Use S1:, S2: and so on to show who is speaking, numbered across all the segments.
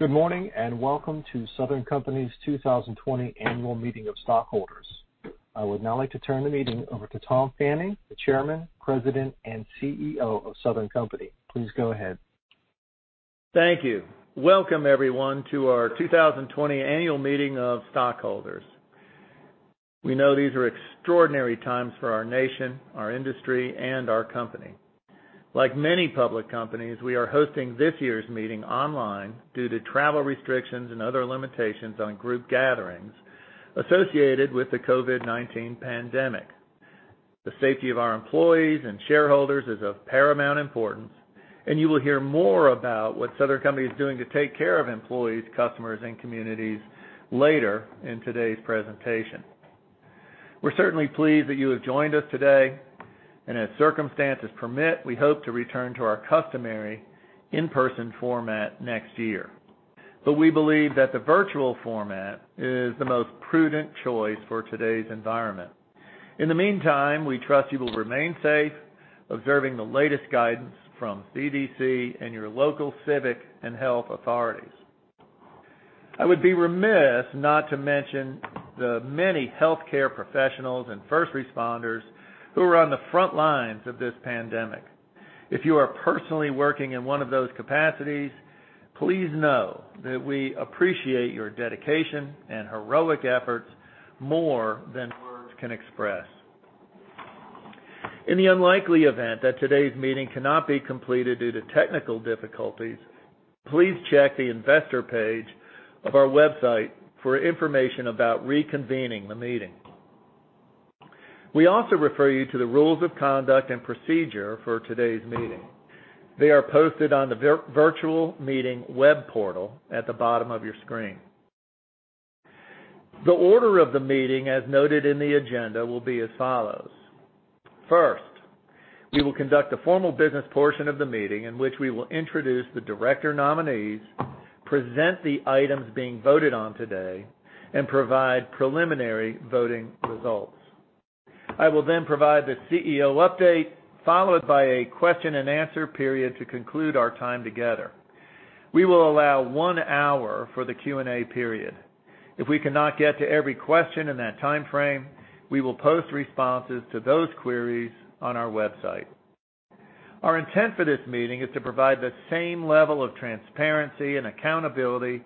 S1: Good morning, welcome to Southern Company's 2020 Annual Meeting of Stockholders. I would now like to turn the meeting over to Tom Fanning, the Chairman, President, and CEO of Southern Company. Please go ahead.
S2: Thank you. Welcome, everyone, to our 2020 Annual Meeting of Stockholders. We know these are extraordinary times for our nation, our industry, and our company. Like many public companies, we are hosting this year's meeting online due to travel restrictions and other limitations on group gatherings associated with the COVID-19 pandemic. The safety of our employees and shareholders is of paramount importance, and you will hear more about what Southern Company is doing to take care of employees, customers, and communities later in today's presentation. We're certainly pleased that you have joined us today. As circumstances permit, we hope to return to our customary in-person format next year. We believe that the virtual format is the most prudent choice for today's environment. In the meantime, we trust you will remain safe, observing the latest guidance from CDC and your local civic and health authorities. I would be remiss not to mention the many healthcare professionals and first responders who are on the front lines of this pandemic. If you are personally working in one of those capacities, please know that we appreciate your dedication and heroic efforts more than words can express. In the unlikely event that today's meeting cannot be completed due to technical difficulties, please check the investor page of our website for information about reconvening the meeting. We also refer you to the rules of conduct and procedure for today's meeting. They are posted on the virtual meeting web portal at the bottom of your screen. The order of the meeting, as noted in the agenda, will be as follows. First, we will conduct a formal business portion of the meeting in which we will introduce the director nominees, present the items being voted on today, and provide preliminary voting results. I will then provide the CEO update, followed by a question and answer period to conclude our time together. We will allow one hour for the Q&A period. If we cannot get to every question in that timeframe, we will post responses to those queries on our website. Our intent for this meeting is to provide the same level of transparency and accountability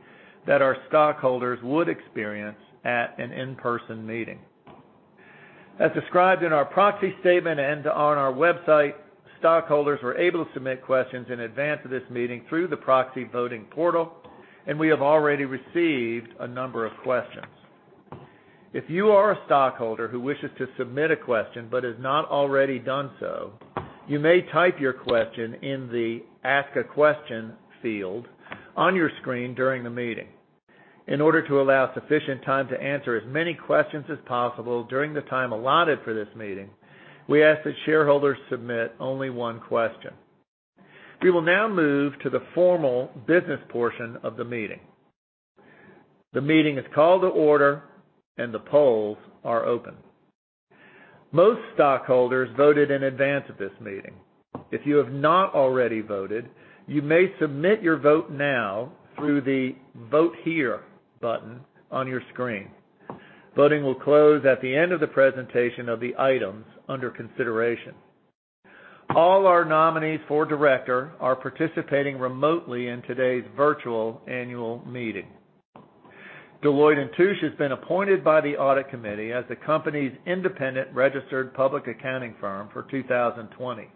S2: that our stockholders would experience at an in-person meeting. As described in our proxy statement and on our website, stockholders were able to submit questions in advance of this meeting through the proxy voting portal, and we have already received a number of questions. If you are a stockholder who wishes to submit a question but has not already done so, you may type your question in the Ask A Question field on your screen during the meeting. In order to allow sufficient time to answer as many questions as possible during the time allotted for this meeting, we ask that shareholders submit only one question. We will now move to the formal business portion of the meeting. The meeting is called to order and the polls are open. Most stockholders voted in advance of this meeting. If you have not already voted, you may submit your vote now through the Vote Here button on your screen. Voting will close at the end of the presentation of the items under consideration. All our nominees for director are participating remotely in today's virtual annual meeting. Deloitte & Touche has been appointed by the audit committee as the company's independent registered public accounting firm for 2020.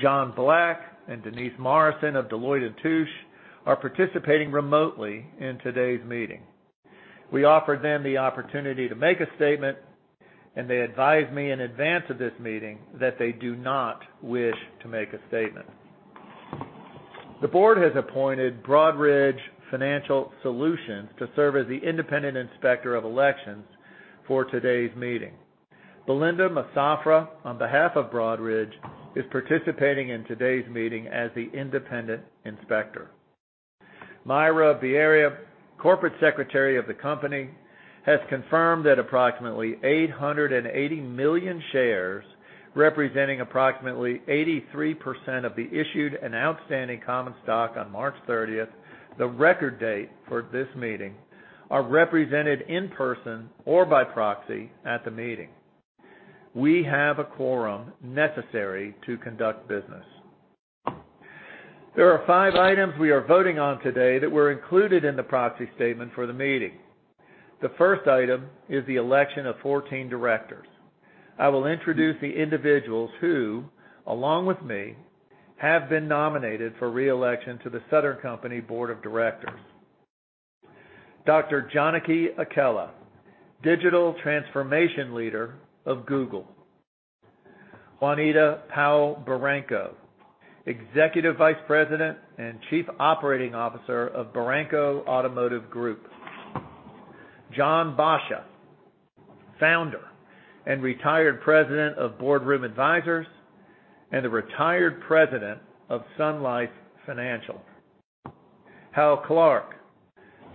S2: John Black and Denise Morrison of Deloitte & Touche are participating remotely in today's meeting. We offered them the opportunity to make a statement, and they advised me in advance of this meeting that they do not wish to make a statement. The board has appointed Broadridge Financial Solutions to serve as the independent inspector of elections for today's meeting. Belinda Musafra, on behalf of Broadridge, is participating in today's meeting as the independent inspector. Myra Bierria, corporate secretary of the company, has confirmed that approximately 880 million shares, representing approximately 83% of the issued and outstanding common stock on March 30th, the record date for this meeting, are represented in person or by proxy at the meeting. We have a quorum necessary to conduct business. There are five items we are voting on today that were included in the proxy statement for the meeting. The first item is the election of 14 directors. I will introduce the individuals who, along with me, have been nominated for re-election to The Southern Company board of directors. Dr. Janaki Akella, Digital Transformation Leader of Google. Juanita Powell Baranco, Executive Vice President and Chief Operating Officer of Baranco Automotive Group. Jon A. Boscia, founder and retired president of Boardroom Advisors and the retired president of Sun Life Financial. Hal Clark,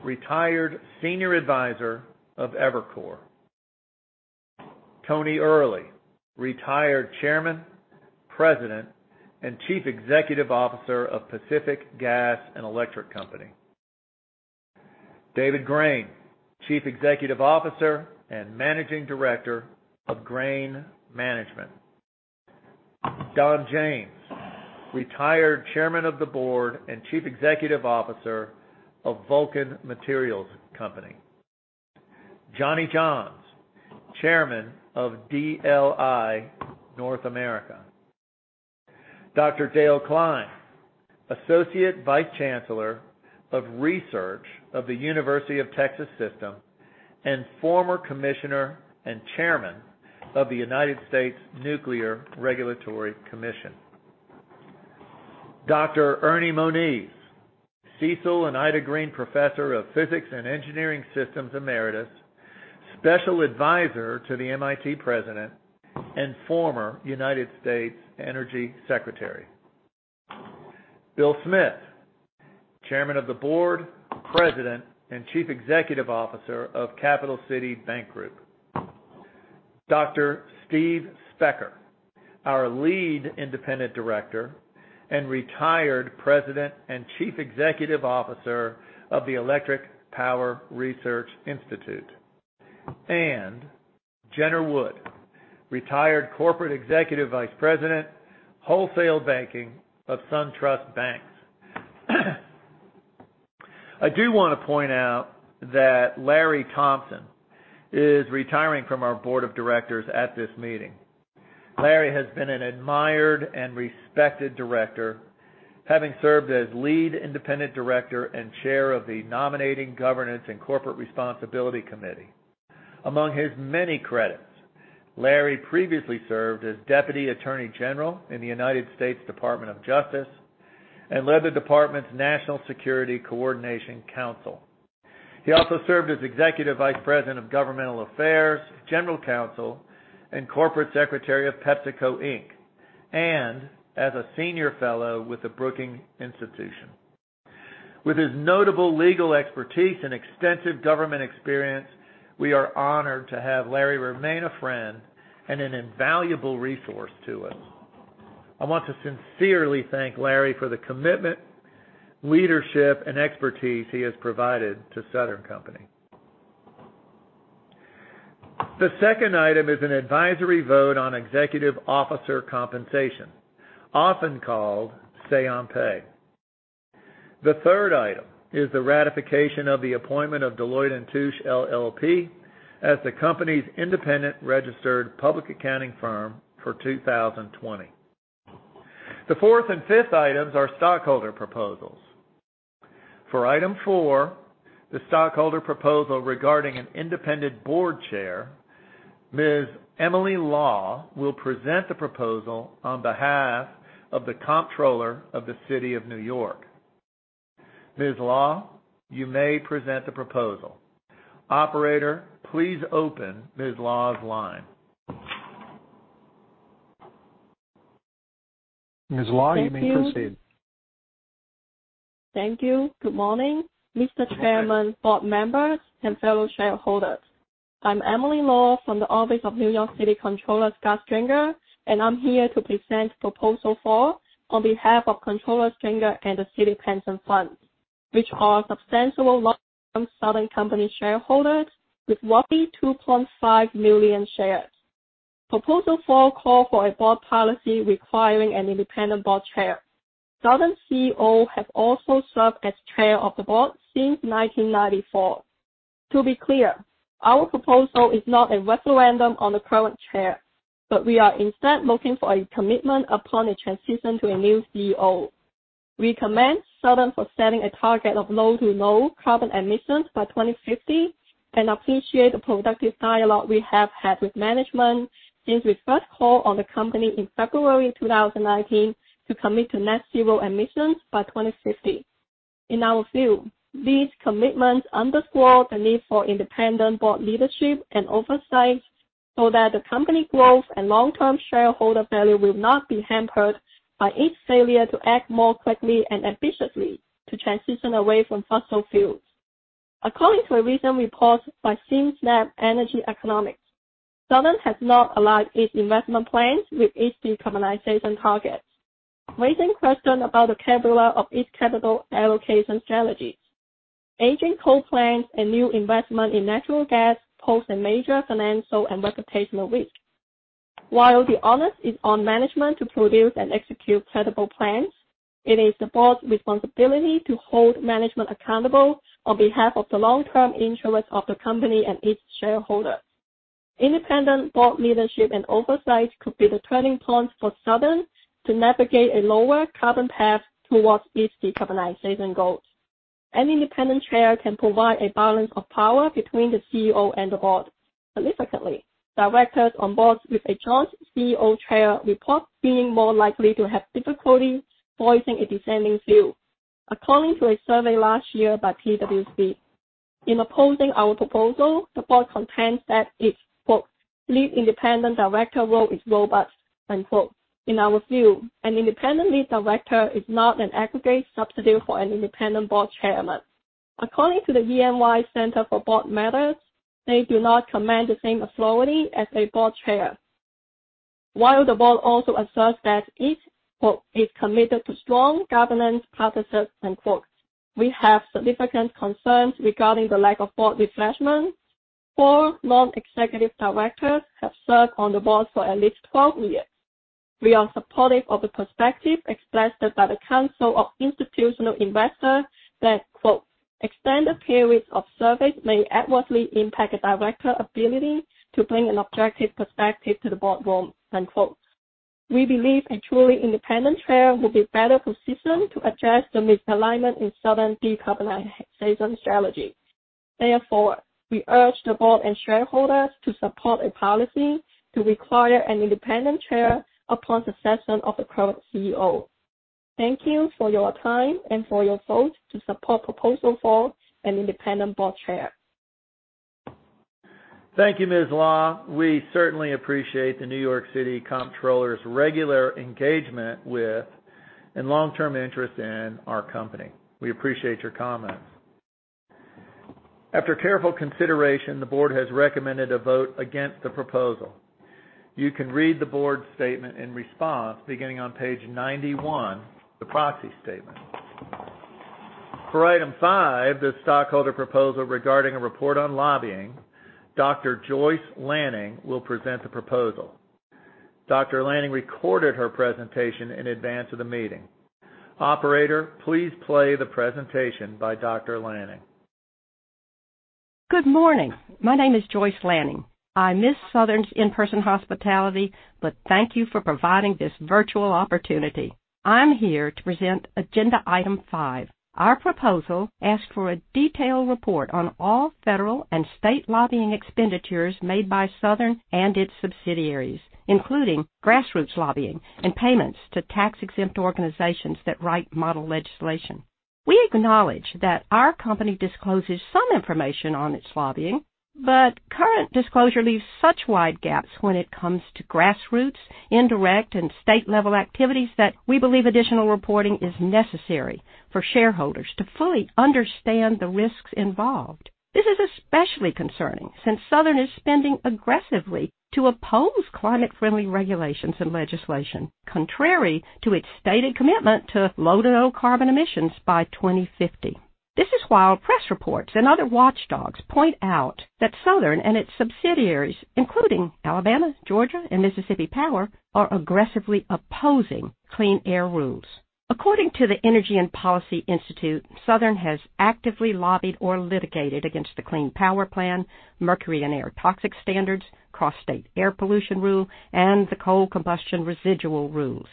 S2: retired Senior Advisor of Evercore. Tony Earley, retired Chairman, President, and Chief Executive Officer of Pacific Gas and Electric Company. David Grain, Chief Executive Officer and Managing Director of Grain Management. Don James, retired Chairman of the Board and Chief Executive Officer of Vulcan Materials Company. Johnny Johns, Chairman of DLI North America. Dr. Dale Klein, Associate Vice Chancellor for Research of the University of Texas System and former commissioner and chairman of the United States Nuclear Regulatory Commission. Dr. Ernie Moniz, Cecil and Ida Green Professor of Physics and Engineering Systems, emeritus, Special Advisor to the MIT president, and former United States Energy Secretary. Bill Smith, Chairman of the Board, President, and Chief Executive Officer of Capital City Bank Group. Dr. Steve Specker, our Lead Independent Director and retired President and Chief Executive Officer of the Electric Power Research Institute. Jenner Wood, retired Corporate Executive Vice President, Wholesale Banking of SunTrust Banks. I do want to point out that Larry Thompson is retiring from our board of directors at this meeting. Larry has been an admired and respected director, having served as Lead Independent Director and Chair of the Nominating Governance and Corporate Responsibility Committee. Among his many credits, Larry previously served as Deputy Attorney General in the United States Department of Justice and led the department's National Security Coordination Council. He also served as Executive Vice President of Governmental Affairs, General Counsel, and Corporate Secretary of PepsiCo Inc., and as a senior fellow with the Brookings Institution. With his notable legal expertise and extensive government experience, we are honored to have Larry remain a friend and an invaluable resource to us. I want to sincerely thank Larry for the commitment, leadership, and expertise he has provided to The Southern Company. The second item is an advisory vote on executive officer compensation, often called say on pay. The third item is the ratification of the appointment of Deloitte & Touche LLP as the company's independent registered public accounting firm for 2020. The fourth and fifth items are stockholder proposals. For item four, the stockholder proposal regarding an independent board chair, Ms. Emily Law will present the proposal on behalf of the Comptroller of the City of New York. Ms. Law, you may present the proposal. Operator, please open Ms. Law's line.
S1: Ms. Law, you may proceed.
S3: Thank you. Good morning, Mr. Chairman, board members, and fellow shareholders. I'm Emily Law from the Office of New York City Comptroller Scott Stringer, and I'm here to present proposal four on behalf of Comptroller Stringer and the City Pension Funds, which are substantial long-term The Southern Company shareholders with roughly 2.5 million shares. Proposal four call for a board policy requiring an independent board chair. The Southern Company CEO have also served as chair of the board since 1994. To be clear, our proposal is not a referendum on the current chair, but we are instead looking for a commitment upon a transition to a new CEO. We commend The Southern Company for setting a target of low to no carbon emissions by 2050 and appreciate the productive dialogue we have had with management since we first called on the company in February 2019 to commit to net zero emissions by 2050. In our view, these commitments underscore the need for independent board leadership and oversight so that the company growth and long-term shareholder value will not be hampered by its failure to act more quickly and ambitiously to transition away from fossil fuels. According to a recent report by Sims & Energy Economics, Southern has not aligned its investment plans with its decarbonization targets, raising questions about the credibility of its capital allocation strategies. Aging coal plants and new investment in natural gas pose a major financial and reputational risk. While the onus is on management to produce and execute credible plans, it is the board's responsibility to hold management accountable on behalf of the long-term interest of the company and its shareholders. Independent board leadership and oversight could be the turning point for Southern to navigate a lower carbon path towards its decarbonization goals. An independent chair can provide a balance of power between the CEO and the board. Significantly, directors on boards with a joint CEO chair report feeling more likely to have difficulty voicing a dissenting view, according to a survey last year by PwC. In opposing our proposal, the board contends that its, quote, "lead independent director role is robust," end quote. In our view, an independent lead director is not an aggregate substitute for an independent board chairman. According to the EY Center for Board Matters, they do not command the same authority as a board chair. While the board also asserts that it quote, "is committed to strong governance practices," unquote, we have significant concerns regarding the lack of board refreshment. Four non-executive directors have served on the board for at least 12 years. We are supportive of the perspective expressed by the Council of Institutional Investors that quote, "Extended periods of service may adversely impact a director ability to bring an objective perspective to the boardroom" unquote. We believe a truly independent chair will be better positioned to address the misalignment in Southern decarbonization strategy. Therefore, we urge the board and shareholders to support a policy to require an independent chair upon succession of the current CEO. Thank you for your time and for your vote to support proposal four, an independent board chair.
S2: Thank you, Ms. Law. We certainly appreciate the New York City Comptroller's regular engagement with and long-term interest in our company. We appreciate your comments. After careful consideration, the board has recommended a vote against the proposal. You can read the board's statement in response beginning on page 91 of the proxy statement. For item five, the stockholder proposal regarding a report on lobbying, Dr. Joyce Lanning will present the proposal. Dr. Lanning recorded her presentation in advance of the meeting. Operator, please play the presentation by Dr. Lanning.
S4: Good morning. My name is Joyce Lanning. I miss Southern's in-person hospitality, but thank you for providing this virtual opportunity. I'm here to present agenda item five. Our proposal asks for a detailed report on all federal and state lobbying expenditures made by Southern and its subsidiaries, including grassroots lobbying and payments to tax-exempt organizations that write model legislation. We acknowledge that our company discloses some information on its lobbying, but current disclosure leaves such wide gaps when it comes to grassroots, indirect, and state-level activities that we believe additional reporting is necessary for shareholders to fully understand the risks involved. This is especially concerning since Southern is spending aggressively to oppose climate-friendly regulations and legislation, contrary to its stated commitment to low to no carbon emissions by 2050. This is while press reports and other watchdogs point out that Southern and its subsidiaries, including Alabama Power, Georgia Power, and Mississippi Power, are aggressively opposing clean air rules. According to the Energy and Policy Institute, Southern has actively lobbied or litigated against the Clean Power Plan, Mercury and Air Toxics Standards, Cross-State Air Pollution Rule, and the Coal Combustion Residuals.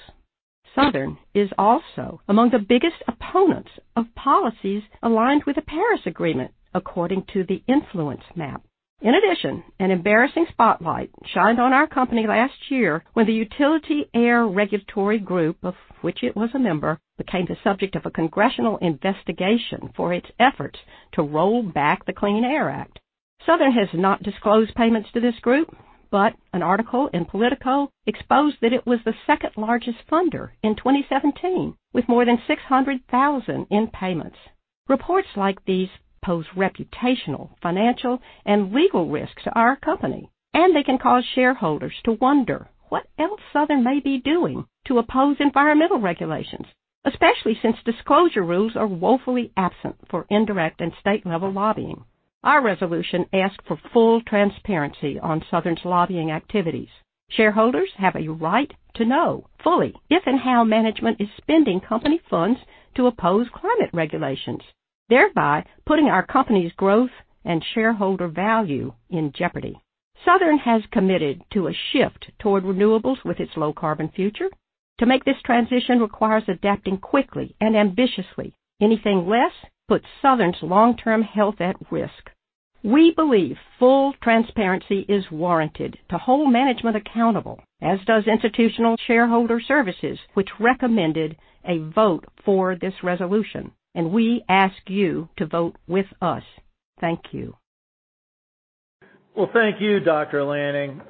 S4: Southern is also among the biggest opponents of policies aligned with the Paris Agreement, according to the InfluenceMap. An embarrassing spotlight shined on our company last year when the Utility Air Regulatory Group, of which it was a member, became the subject of a congressional investigation for its efforts to roll back the Clean Air Act. Southern has not disclosed payments to this group, but an article in Politico exposed that it was the second largest funder in 2017, with more than $600,000 in payments. Reports like these pose reputational, financial, and legal risks to our company, and they can cause shareholders to wonder what else Southern may be doing to oppose environmental regulations, especially since disclosure rules are woefully absent for indirect and state-level lobbying. Our resolution asks for full transparency on Southern's lobbying activities. Shareholders have a right to know fully if and how management is spending company funds to oppose climate regulations, thereby putting our company's growth and shareholder value in jeopardy. Southern has committed to a shift toward renewables with its low carbon future. To make this transition requires adapting quickly and ambitiously. Anything less puts Southern's long-term health at risk. We believe full transparency is warranted to hold management accountable, as does Institutional Shareholder Services, which recommended a vote for this resolution. We ask you to vote with us. Thank you.
S2: Well, thank you, Dr. Lanning.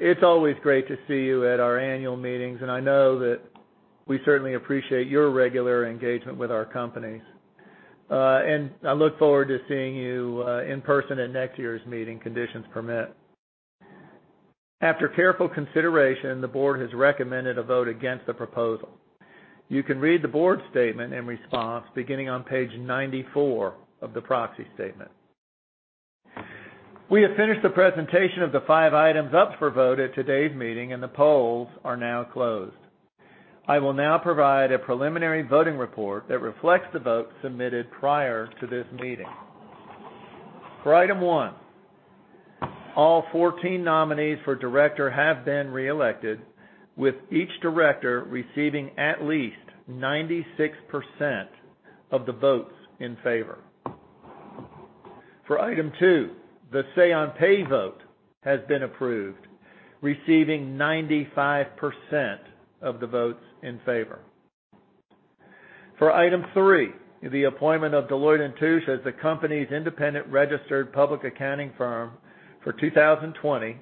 S2: It's always great to see you at our annual meetings, and I know that we certainly appreciate your regular engagement with our company. I look forward to seeing you in person at next year's meeting, conditions permit. After careful consideration, the board has recommended a vote against the proposal. You can read the board statement in response beginning on page 94 of the proxy statement. We have finished the presentation of the five items up for vote at today's meeting, and the polls are now closed. I will now provide a preliminary voting report that reflects the votes submitted prior to this meeting. For item one, all 14 nominees for director have been reelected with each director receiving at least 96% of the votes in favor. For item two, the say on pay vote has been approved, receiving 95% of the votes in favor. For item three, the appointment of Deloitte & Touche as the company's independent registered public accounting firm for 2020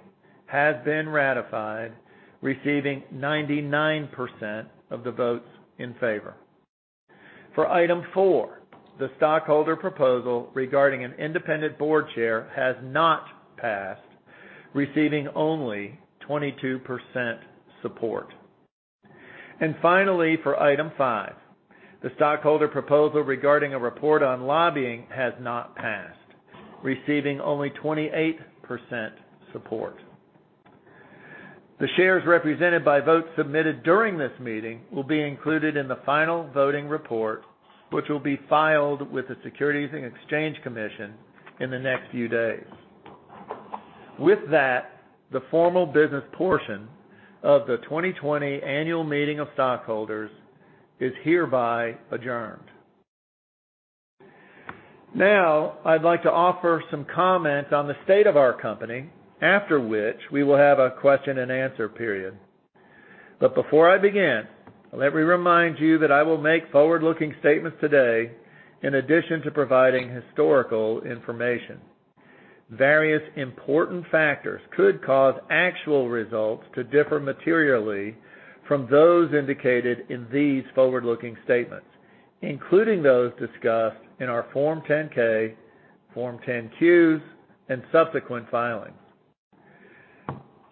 S2: has been ratified, receiving 99% of the votes in favor. For item four, the stockholder proposal regarding an independent board chair has not passed, receiving only 22% support. Finally, for item five, the stockholder proposal regarding a report on lobbying has not passed, receiving only 28% support. The shares represented by votes submitted during this meeting will be included in the final voting report, which will be filed with the Securities and Exchange Commission in the next few days. With that, the formal business portion of the 2020 Annual Meeting of Stockholders is hereby adjourned. Now, I'd like to offer some comments on the state of our company, after which we will have a question and answer period. Before I begin, let me remind you that I will make forward-looking statements today, in addition to providing historical information. Various important factors could cause actual results to differ materially from those indicated in these forward-looking statements, including those discussed in our Form 10-K, Form 10-Qs, and subsequent filings.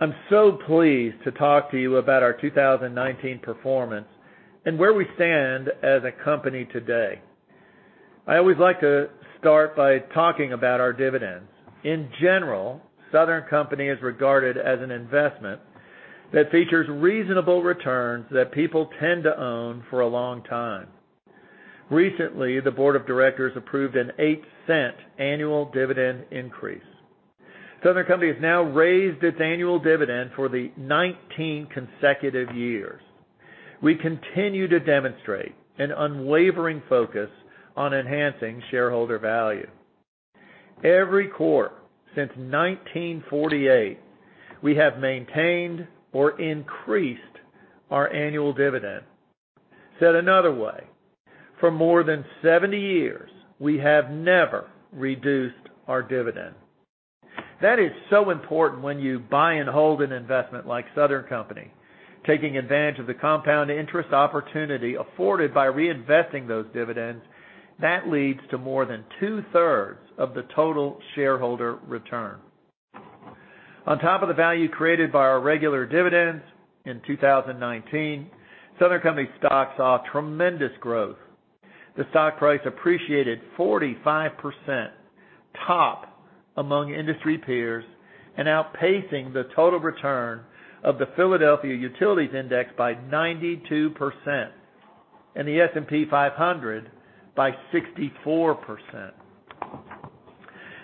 S2: I'm so pleased to talk to you about our 2019 performance and where we stand as a company today. I always like to start by talking about our dividends. In general, Southern Company is regarded as an investment that features reasonable returns that people tend to own for a long time. Recently, the board of directors approved an $0.08 annual dividend increase. Southern Company has now raised its annual dividend for the 19 consecutive years. We continue to demonstrate an unwavering focus on enhancing shareholder value. Every quarter since 1948, we have maintained or increased our annual dividend. Said another way, for more than 70 years, we have never reduced our dividend. That is so important when you buy and hold an investment like Southern Company. Taking advantage of the compound interest opportunity afforded by reinvesting those dividends, that leads to more than two-thirds of the total shareholder return. On top of the value created by our regular dividends in 2019, Southern Company stock saw tremendous growth. The stock price appreciated 45%, top among industry peers, and outpacing the total return of the Philadelphia Utilities Index by 92%, and the S&P 500 by 64%.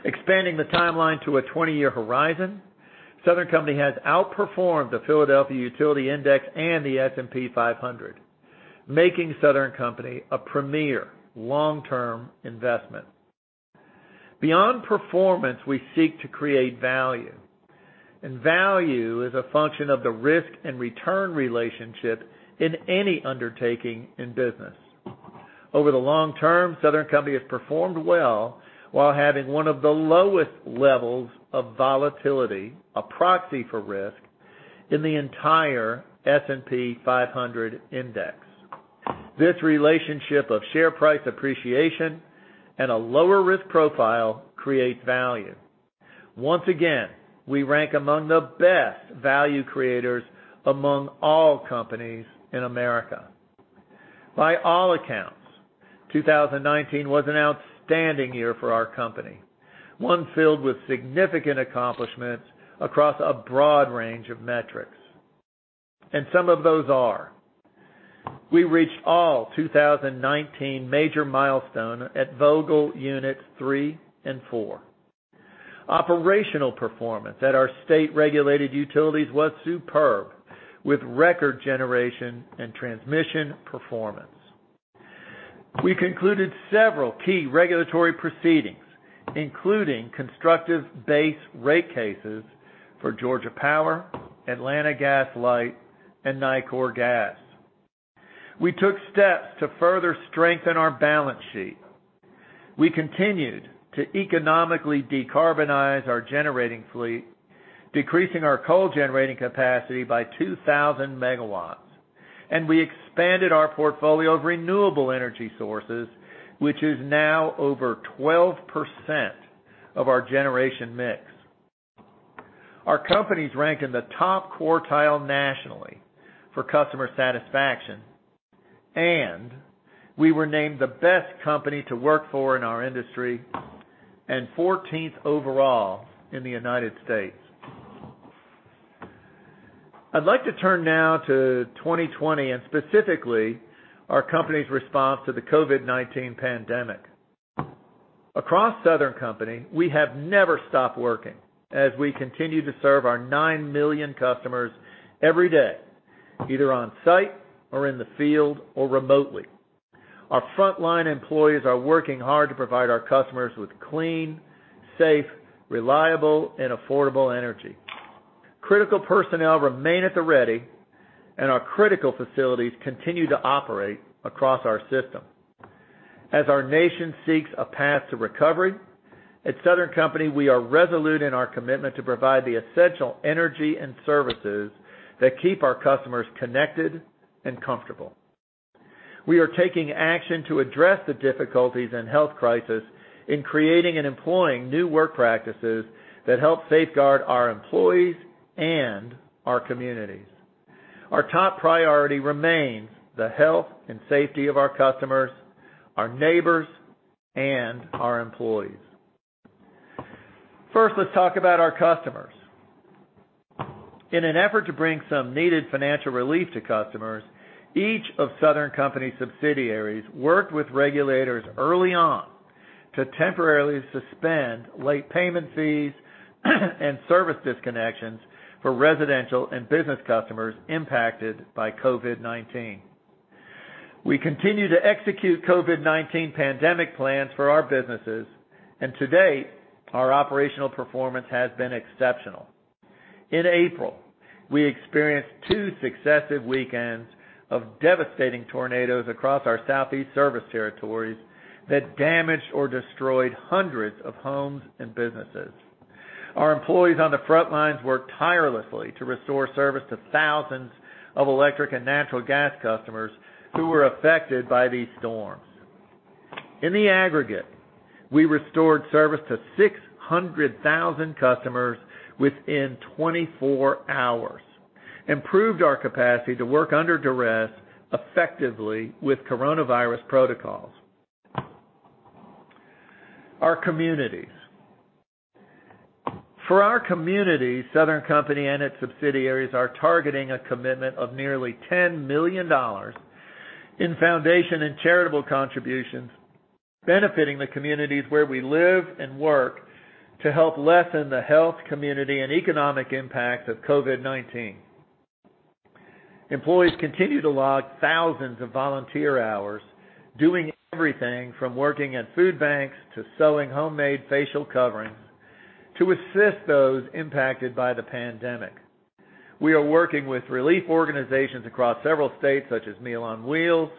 S2: Expanding the timeline to a 20-year horizon, Southern Company has outperformed the Philadelphia Utilities Index and the S&P 500, making Southern Company a premier long-term investment. Beyond performance, we seek to create value, and value is a function of the risk and return relationship in any undertaking in business. Over the long term, Southern Company has performed well while having one of the lowest levels of volatility, a proxy for risk, in the entire S&P 500 index. This relationship of share price appreciation and a lower risk profile creates value. Once again, we rank among the best value creators among all companies in America. By all accounts, 2019 was an outstanding year for our company, one filled with significant accomplishments across a broad range of metrics, and some of those are: We reached all 2019 major milestones at Vogtle Units three and four. Operational performance at our state-regulated utilities was superb, with record generation and transmission performance. We concluded several key regulatory proceedings, including constructive base rate cases for Georgia Power, Atlanta Gas Light, and Nicor Gas. We took steps to further strengthen our balance sheet. We continued to economically decarbonize our generating fleet, decreasing our coal-generating capacity by 2,000 megawatts. We expanded our portfolio of renewable energy sources, which is now over 12% of our generation mix. Our companies rank in the top quartile nationally for customer satisfaction, and we were named the best company to work for in our industry and 14th overall in the U.S. I'd like to turn now to 2020, and specifically, our company's response to the COVID-19 pandemic. Across Southern Company, we have never stopped working as we continue to serve our nine million customers every day, either on-site or in the field or remotely. Our frontline employees are working hard to provide our customers with clean, safe, reliable, and affordable energy. Critical personnel remain at the ready, and our critical facilities continue to operate across our system. As our nation seeks a path to recovery, at Southern Company, we are resolute in our commitment to provide the essential energy and services that keep our customers connected and comfortable. We are taking action to address the difficulties and health crisis in creating and employing new work practices that help safeguard our employees and our communities. Our top priority remains the health and safety of our customers, our neighbors, and our employees. First, let's talk about our customers. In an effort to bring some needed financial relief to customers, each of Southern Company's subsidiaries worked with regulators early on to temporarily suspend late payment fees and service disconnections for residential and business customers impacted by COVID-19. We continue to execute COVID-19 pandemic plans for our businesses, and to date, our operational performance has been exceptional. In April, we experienced two successive weekends of devastating tornadoes across our southeast service territories that damaged or destroyed hundreds of homes and businesses. Our employees on the front lines worked tirelessly to restore service to thousands of electric and natural gas customers who were affected by these storms. In the aggregate, we restored service to 600,000 customers within 24 hours, improved our capacity to work under duress effectively with coronavirus protocols. Our communities. For our communities, Southern Company and its subsidiaries are targeting a commitment of nearly $10 million in foundation and charitable contributions, benefiting the communities where we live and work to help lessen the health, community, and economic impact of COVID-19. Employees continue to log thousands of volunteer hours doing everything from working at food banks to sewing homemade facial coverings to assist those impacted by the pandemic. We are working with relief organizations across several states such as Meals on Wheels,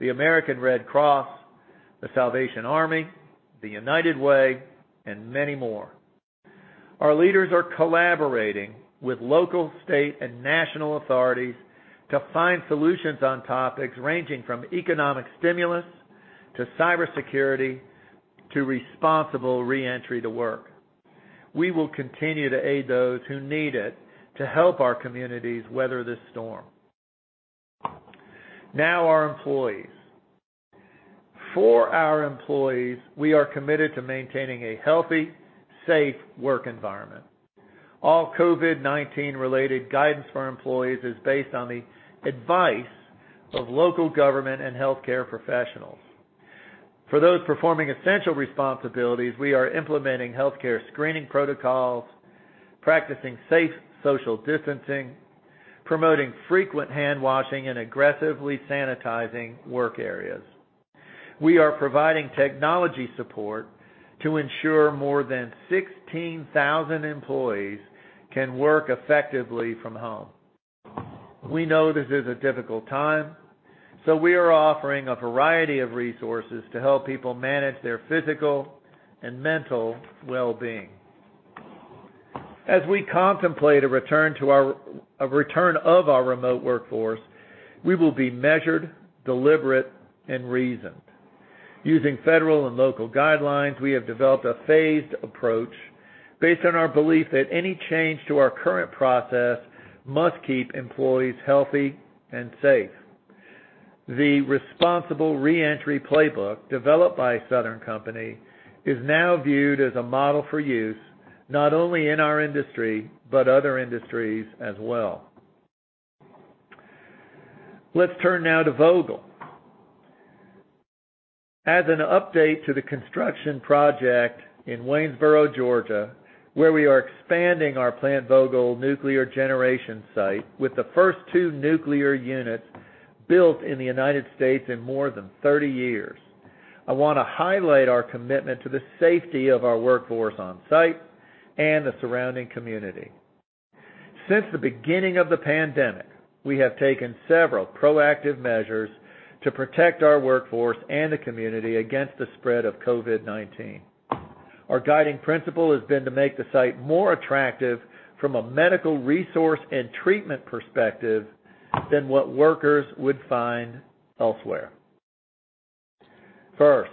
S2: the American Red Cross, the Salvation Army, the United Way, and many more. Our leaders are collaborating with local, state, and national authorities to find solutions on topics ranging from economic stimulus to cybersecurity to responsible re-entry to work. We will continue to aid those who need it to help our communities weather this storm. Now, our employees. For our employees, we are committed to maintaining a healthy, safe work environment. All COVID-19 related guidance for our employees is based on the advice of local government and healthcare professionals. For those performing essential responsibilities, we are implementing healthcare screening protocols, practicing safe social distancing, promoting frequent handwashing, and aggressively sanitizing work areas. We are providing technology support to ensure more than 16,000 employees can work effectively from home. We know this is a difficult time, so we are offering a variety of resources to help people manage their physical and mental well-being. As we contemplate a return of our remote workforce, we will be measured, deliberate, and reasoned. Using federal and local guidelines, we have developed a phased approach based on our belief that any change to our current process must keep employees healthy and safe. The Responsible Reentry Playbook, developed by The Southern Company, is now viewed as a model for use, not only in our industry, but other industries as well. Let's turn now to Vogtle. An update to the construction project in Waynesboro, Georgia, where we are expanding our Plant Vogtle nuclear generation site with the first two nuclear units built in the United States in more than 30 years. I want to highlight our commitment to the safety of our workforce on site and the surrounding community. Since the beginning of the pandemic, we have taken several proactive measures to protect our workforce and the community against the spread of COVID-19. Our guiding principle has been to make the site more attractive from a medical resource and treatment perspective than what workers would find elsewhere. First,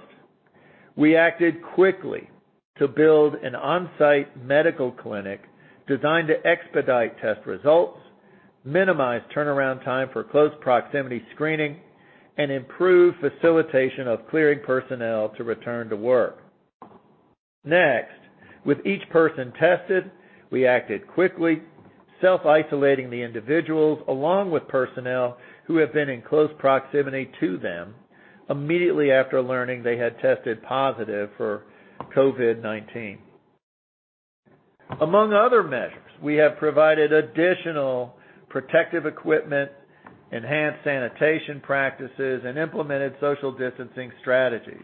S2: we acted quickly to build an on-site medical clinic designed to expedite test results, minimize turnaround time for close proximity screening, and improve facilitation of clearing personnel to return to work. With each person tested, we acted quickly, self-isolating the individuals, along with personnel who have been in close proximity to them immediately after learning they had tested positive for COVID-19. Among other measures, we have provided additional protective equipment, enhanced sanitation practices, and implemented social distancing strategies.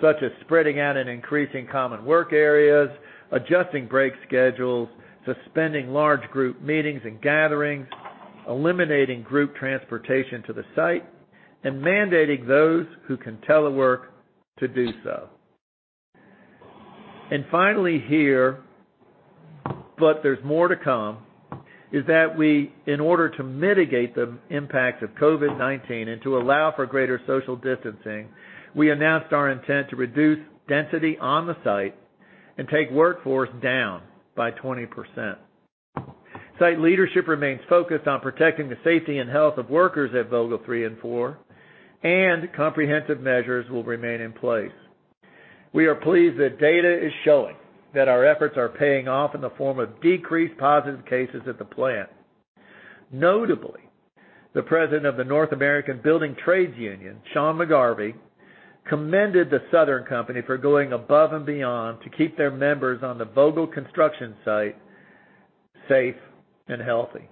S2: Such as spreading out and increasing common work areas, adjusting break schedules, suspending large group meetings and gatherings, eliminating group transportation to the site, and mandating those who can telework to do so. Finally here, but there's more to come, is that we, in order to mitigate the impacts of COVID-19 and to allow for greater social distancing, we announced our intent to reduce density on the site and take workforce down by 20%. Site leadership remains focused on protecting the safety and health of workers at Vogtle three and four, and comprehensive measures will remain in place. We are pleased that data is showing that our efforts are paying off in the form of decreased positive cases at the plant. Notably, the President of the North America's Building Trades Unions, Sean McGarvey, commended The Southern Company for going above and beyond to keep their members on the Vogtle construction site safe and healthy.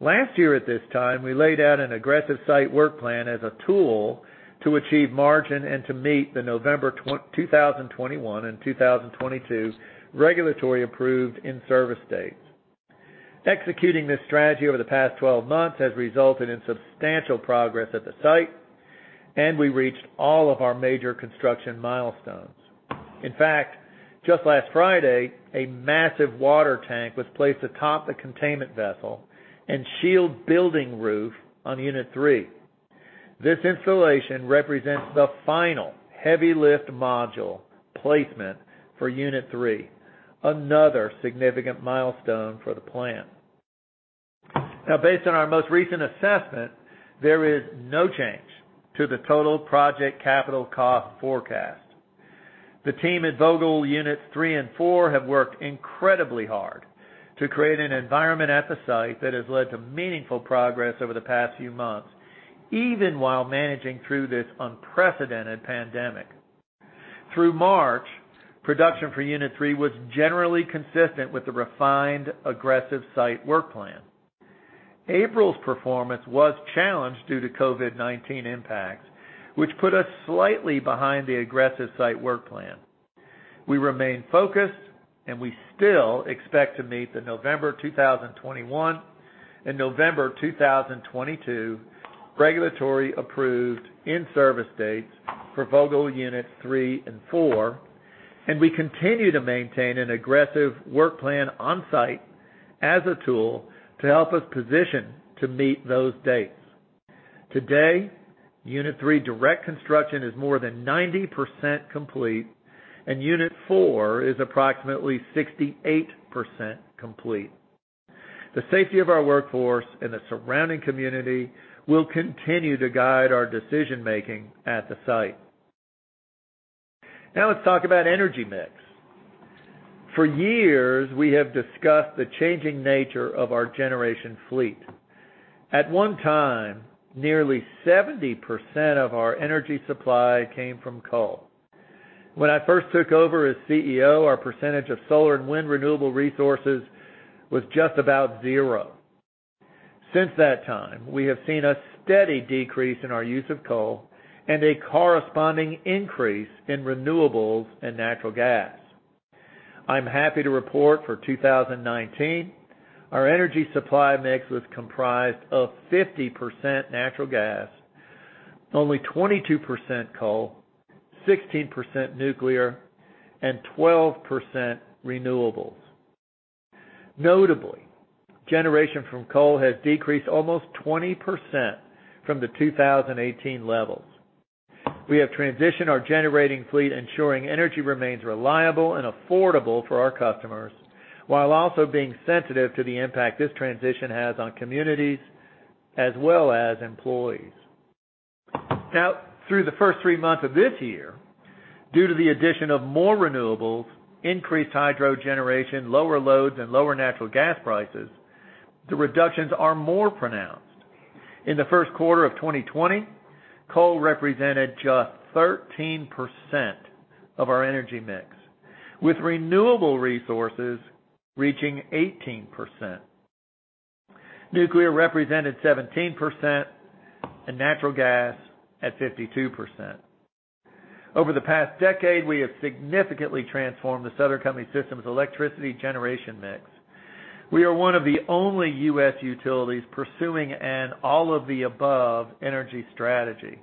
S2: Last year at this time, we laid out an aggressive site work plan as a tool to achieve margin and to meet the November 2021 and 2022 regulatory approved in-service dates. Executing this strategy over the past 12 months has resulted in substantial progress at the site, and we reached all of our major construction milestones. In fact, just last Friday, a massive water tank was placed atop the containment vessel and shield building roof on unit three. This installation represents the final heavy lift module placement for unit three, another significant milestone for the plant. Now, based on our most recent assessment, there is no change to the total project capital cost forecast. The team at Vogtle units three and four have worked incredibly hard to create an environment at the site that has led to meaningful progress over the past few months, even while managing through this unprecedented pandemic. Through March, production for unit three was generally consistent with the refined aggressive site work plan. April's performance was challenged due to COVID-19 impacts, which put us slightly behind the aggressive site work plan. We remain focused. We still expect to meet the November 2021 and November 2022 regulatory approved in-service dates for Vogtle units three and four. We continue to maintain an aggressive work plan on site as a tool to help us position to meet those dates. Today, unit three direct construction is more than 90% complete. Unit four is approximately 68% complete. The safety of our workforce and the surrounding community will continue to guide our decision-making at the site. Let's talk about energy mix. For years, we have discussed the changing nature of our generation fleet. At one time, nearly 70% of our energy supply came from coal. When I first took over as CEO, our percentage of solar and wind renewable resources was just about zero. Since that time, we have seen a steady decrease in our use of coal and a corresponding increase in renewables and natural gas. I'm happy to report for 2019, our energy supply mix was comprised of 50% natural gas, only 22% coal, 16% nuclear, and 12% renewables. Notably, generation from coal has decreased almost 20% from the 2018 levels. We have transitioned our generating fleet, ensuring energy remains reliable and affordable for our customers, while also being sensitive to the impact this transition has on communities as well as employees. Through the first three months of this year, due to the addition of more renewables, increased hydro generation, lower loads, and lower natural gas prices, the reductions are more pronounced. In the Q1 of 2020, coal represented just 13% of our energy mix, with renewable resources reaching 18%. Nuclear represented 17%. Natural gas at 52%. Over the past decade, we have significantly transformed The Southern Company system's electricity generation mix. We are one of the only U.S. utilities pursuing an all-of-the-above energy strategy.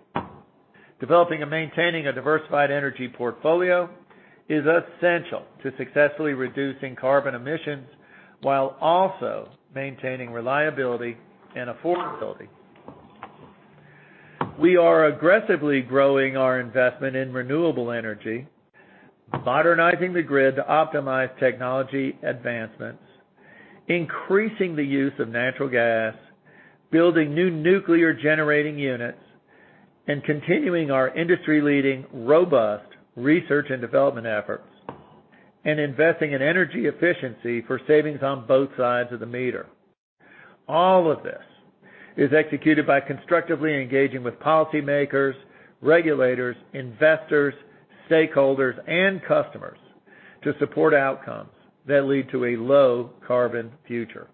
S2: Developing and maintaining a diversified energy portfolio is essential to successfully reducing carbon emissions while also maintaining reliability and affordability. We are aggressively growing our investment in renewable energy, modernizing the grid to optimize technology advancements, increasing the use of natural gas, building new nuclear generating units, and continuing our industry-leading robust research and development efforts, and investing in energy efficiency for savings on both sides of the meter. All of this is executed by constructively engaging with policymakers, regulators, investors, stakeholders, and customers to support outcomes that lead to a low-carbon future.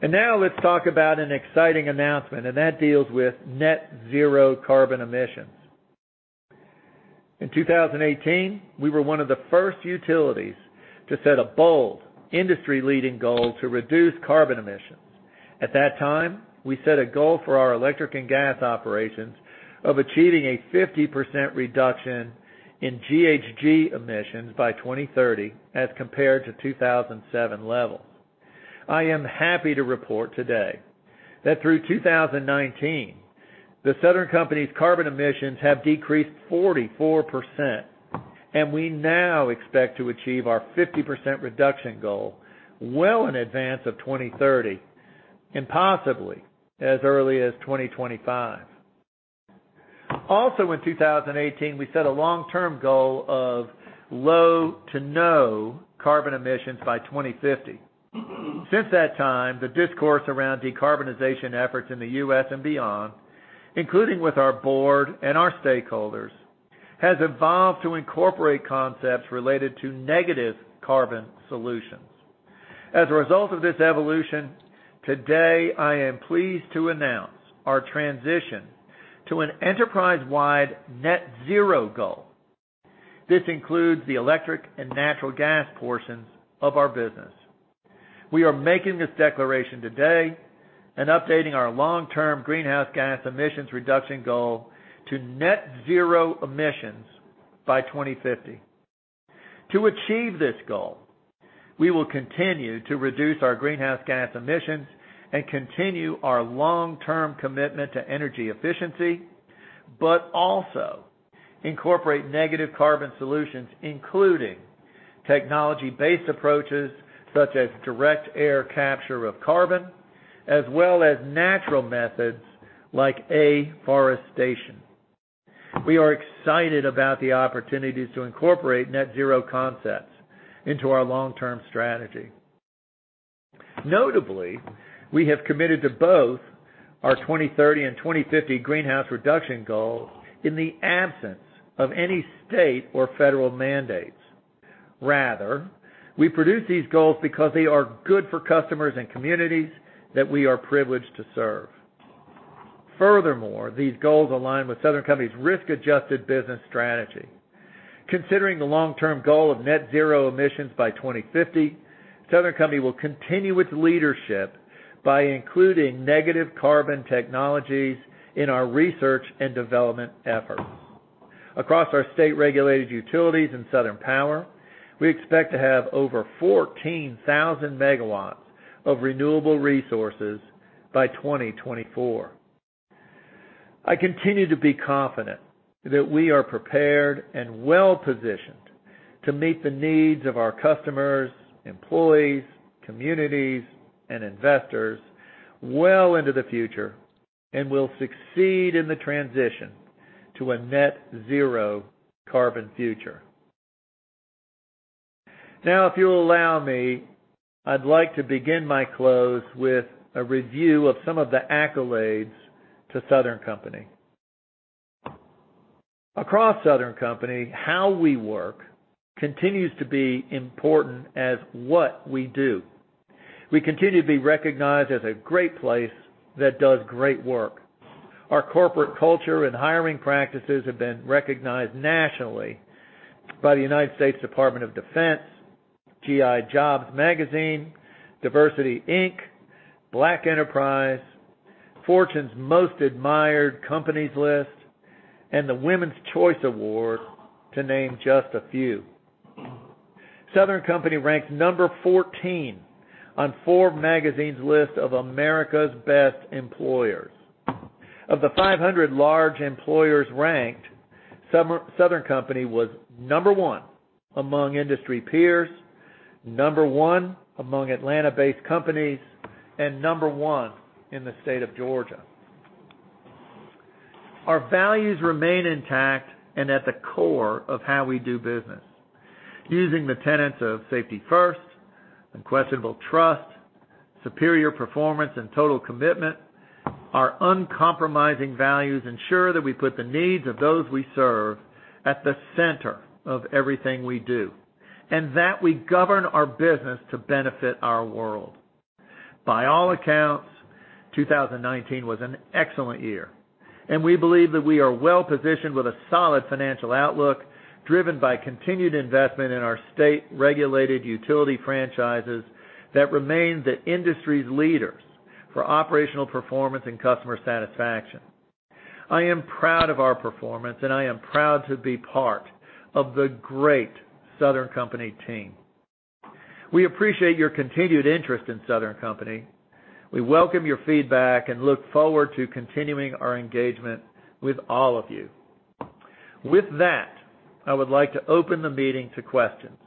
S2: Now let's talk about an exciting announcement, and that deals with net zero carbon emissions. In 2018, we were one of the first utilities to set a bold industry-leading goal to reduce carbon emissions. At that time, we set a goal for our electric and gas operations of achieving a 50% reduction in GHG emissions by 2030 as compared to 2007 levels. I am happy to report today that through 2019, The Southern Company's carbon emissions have decreased 44%, we now expect to achieve our 50% reduction goal well in advance of 2030 and possibly as early as 2025. In 2018, we set a long-term goal of low to no carbon emissions by 2050. Since that time, the discourse around decarbonization efforts in the U.S. and beyond, including with our board and our stakeholders, has evolved to incorporate concepts related to negative carbon solutions. As a result of this evolution, today I am pleased to announce our transition to an enterprise-wide net zero goal. This includes the electric and natural gas portions of our business. We are making this declaration today and updating our long-term greenhouse gas emissions reduction goal to net zero emissions by 2050. To achieve this goal, we will continue to reduce our greenhouse gas emissions and continue our long-term commitment to energy efficiency, but also incorporate negative carbon solutions, including technology-based approaches such as direct air capture of carbon, as well as natural methods like afforestation. We are excited about the opportunities to incorporate net zero concepts into our long-term strategy. Notably, we have committed to both our 2030 and 2050 greenhouse reduction goals in the absence of any state or federal mandates. Rather, we produce these goals because they are good for customers and communities that we are privileged to serve. Furthermore, these goals align with The Southern Company's risk-adjusted business strategy. Considering the long-term goal of net zero emissions by 2050, The Southern Company will continue its leadership by including negative carbon technologies in our research and development efforts. Across our state-regulated utilities in Southern Power, we expect to have over 14,000 megawatts of renewable resources by 2024. I continue to be confident that we are prepared and well-positioned to meet the needs of our customers, employees, communities, and investors well into the future and will succeed in the transition to a net zero carbon future. If you'll allow me, I'd like to begin my close with a review of some of the accolades to The Southern Company. Across The Southern Company, how we work continues to be important as what we do. We continue to be recognized as a great place that does great work. Our corporate culture and hiring practices have been recognized nationally by the United States Department of Defense, G.I. Jobs magazine, DiversityInc, Black Enterprise, Fortune's Most Admired Companies list, and the Women's Choice Award, to name just a few. Southern Company ranks 14 on Forbes magazine's list of America's Best Employers list. Of the 500 large employers ranked, Southern Company was one among industry peers, one among Atlanta-based companies, and one in the state of Georgia. Our values remain intact and at the core of how we do business. Using the tenets of Safety First, Unquestionable Trust, Superior Performance, and Total Commitment, our uncompromising values ensure that we put the needs of those we serve at the center of everything we do, and that we govern our business to benefit our world. By all accounts, 2019 was an excellent year, and we believe that we are well-positioned with a solid financial outlook driven by continued investment in our state-regulated utility franchises that remain the industry's leaders for operational performance and customer satisfaction. I am proud of our performance, and I am proud to be part of the great The Southern Company team. We appreciate your continued interest in The Southern Company. We welcome your feedback and look forward to continuing our engagement with all of you. With that, I would like to open the meeting to questions.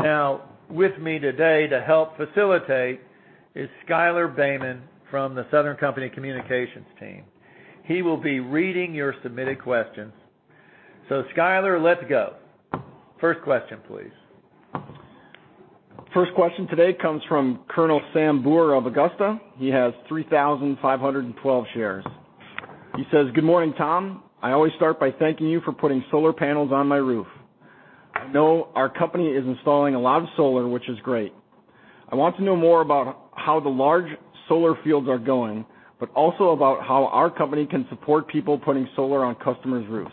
S2: Now, with me today to help facilitate is Schuyler Baehman from The Southern Company communications team. He will be reading your submitted questions. Schuyler, let's go. First question, please.
S5: First question today comes from Colonel Sam Bure of Augusta. He has 3,512 shares. He says, "Good morning, Tom. I always start by thanking you for putting solar panels on my roof. I know our company is installing a lot of solar, which is great. I want to know more about how the large solar fields are going, but also about how our company can support people putting solar on customers' roofs.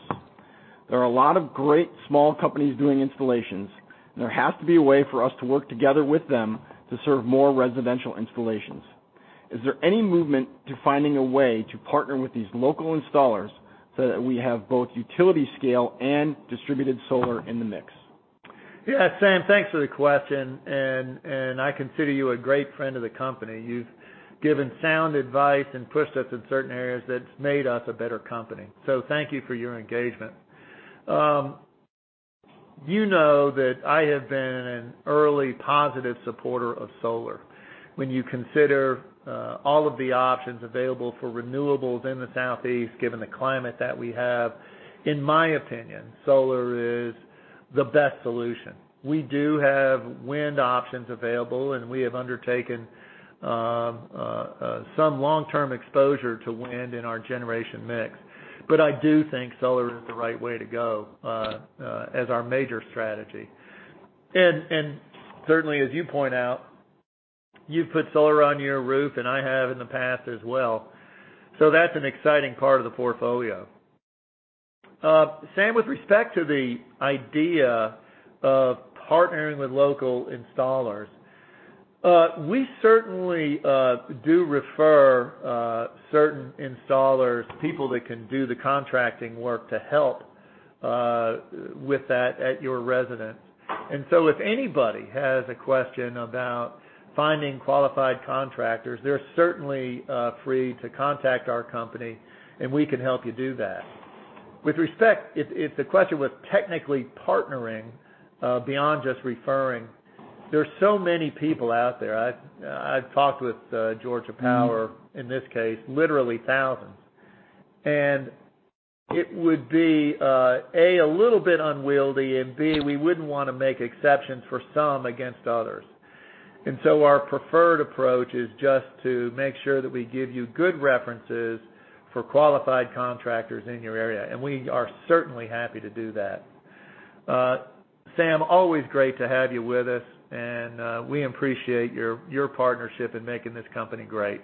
S5: There are a lot of great small companies doing installations. There has to be a way for us to work together with them to serve more residential installations. Is there any movement to finding a way to partner with these local installers so that we have both utility scale and distributed solar in the mix?
S2: Yeah, Sam, thanks for the question, and I consider you a great friend of the company. You've given sound advice and pushed us in certain areas that's made us a better company. Thank you for your engagement. You know that I have been an early positive supporter of solar. When you consider all of the options available for renewables in the Southeast, given the climate that we have, in my opinion, solar is the best solution. We do have wind options available, and we have undertaken some long-term exposure to wind in our generation mix. I do think solar is the right way to go as our major strategy. Certainly, as you point out, you've put solar on your roof, and I have in the past as well. That's an exciting part of the portfolio. Sam, with respect to the idea of partnering with local installers, we certainly do refer certain installers, people that can do the contracting work to help with that at your residence. If anybody has a question about finding qualified contractors, they're certainly free to contact our company, and we can help you do that. With respect, if the question was technically partnering beyond just referring, there's so many people out there. I've talked with Georgia Power, in this case, literally thousands. It would be, A, a little bit unwieldy, and B, we wouldn't want to make exceptions for some against others. Our preferred approach is just to make sure that we give you good references for qualified contractors in your area, and we are certainly happy to do that. Sam, always great to have you with us, and we appreciate your partnership in making this company great.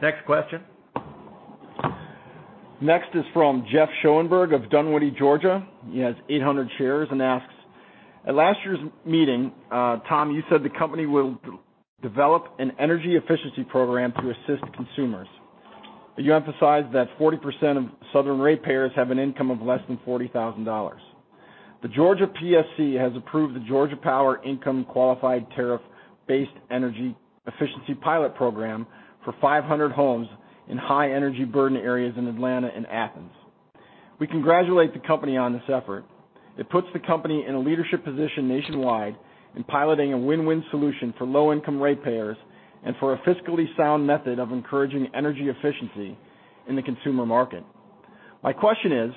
S2: Next question.
S5: Next is from Jeff Schoenberg of Dunwoody, Georgia. He has 800 shares and asks, "At last year's meeting, Tom, you said the company will develop an energy efficiency program to assist consumers. You emphasized that 40% of Southern ratepayers have an income of less than $40,000. The Georgia PSC has approved the Georgia Power Income Qualified Tariff-Based Energy Efficiency Pilot program for 500 homes in high energy burden areas in Atlanta and Athens. We congratulate the company on this effort. It puts the company in a leadership position nationwide in piloting a win-win solution for low-income ratepayers and for a fiscally sound method of encouraging energy efficiency in the consumer market. My question is,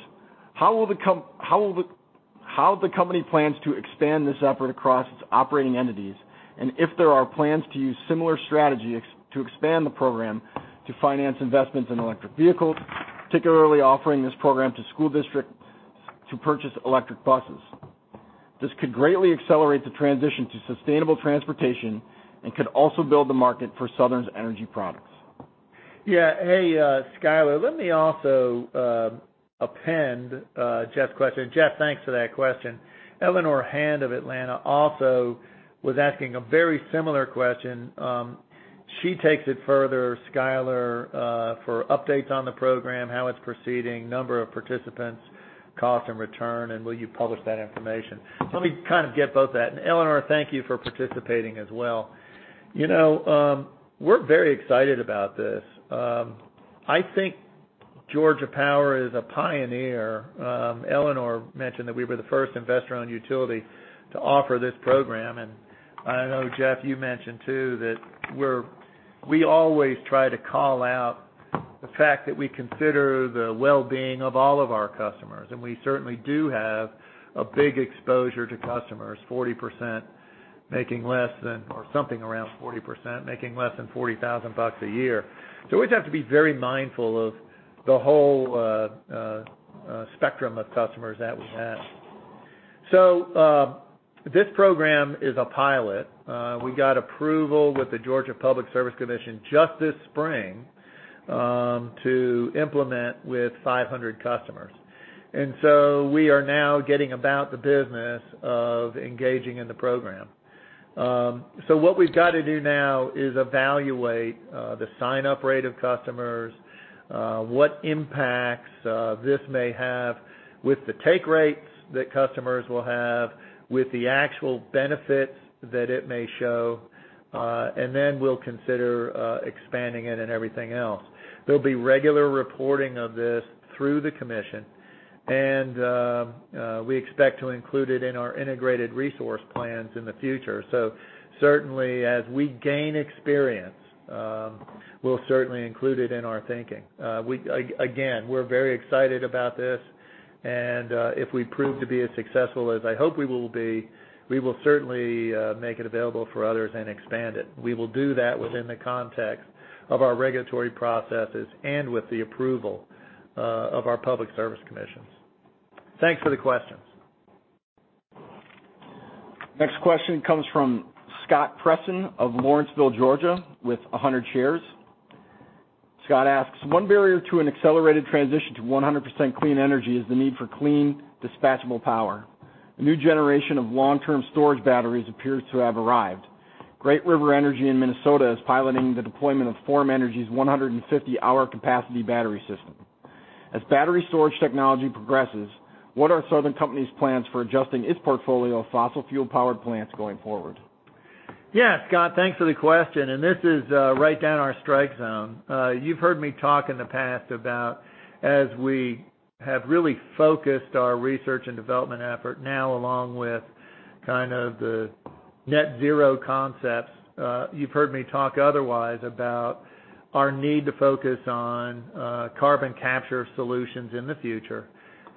S5: how the company plans to expand this effort across its operating entities, and if there are plans to use similar strategy to expand the program to finance investments in electric vehicles, particularly offering this program to school districts to purchase electric buses? This could greatly accelerate the transition to sustainable transportation and could also build the market for Southern's energy products.
S2: Hey, Schuyler, let me also append Jeff's question. Jeff, thanks for that question. Eleanor Hand of Atlanta also was asking a very similar question. She takes it further, Schuyler, for updates on the program, how it's proceeding, number of participants, cost and return, and will you publish that information? Let me kind of get both that. Eleanor, thank you for participating as well. We're very excited about this. I think Georgia Power is a pioneer. Eleanor mentioned that we were the first investor-owned utility to offer this program. I know, Jeff, you mentioned too that we always try to call out the fact that we consider the well-being of all of our customers, and we certainly do have a big exposure to customers, 40% making less than, or something around 40%, making less than $40,000 a year. We always have to be very mindful of the whole spectrum of customers that we have. This program is a pilot. We got approval with the Georgia Public Service Commission just this spring to implement with 500 customers. We are now getting about the business of engaging in the program. What we've got to do now is evaluate the sign-up rate of customers, what impacts this may have with the take rates that customers will have, with the actual benefits that it may show, we'll consider expanding it and everything else. There'll be regular reporting of this through the commission, and we expect to include it in our integrated resource plans in the future. Certainly, as we gain experience, we'll certainly include it in our thinking. We're very excited about this, and if we prove to be as successful as I hope we will be, we will certainly make it available for others and expand it. We will do that within the context of our regulatory processes and with the approval of our public service commissions. Thanks for the questions.
S5: Next question comes from Scott Presson of Lawrenceville, Georgia, with 100 shares. Scott asks, "One barrier to an accelerated transition to 100% clean energy is the need for clean, dispatchable power. A new generation of long-term storage batteries appears to have arrived. Great River Energy in Minnesota is piloting the deployment of Form Energy's 150-hour capacity battery system. As battery storage technology progresses, what are Southern Company's plans for adjusting its portfolio of fossil fuel-powered plants going forward?
S2: Yeah, Scott, thanks for the question. This is right down our strike zone. You've heard me talk in the past about as we have really focused our research and development effort now along with kind of the net zero concepts. You've heard me talk otherwise about our need to focus on carbon capture solutions in the future,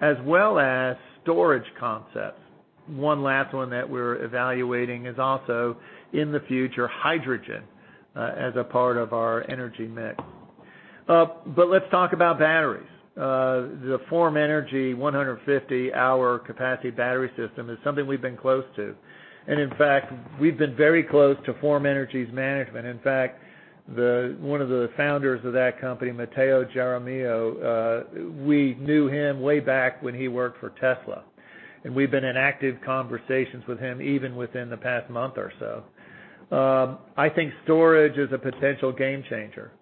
S2: as well as storage concepts. One last one that we're evaluating is also, in the future, hydrogen as a part of our energy mix. Let's talk about batteries. The Form Energy 150-hour capacity battery system is something we've been close to, and in fact, we've been very close to Form Energy's management. In fact, one of the founders of that company, Mateo Jaramillo, we knew him way back when he worked for Tesla, and we've been in active conversations with him even within the past month or so. I think storage is a potential game changer,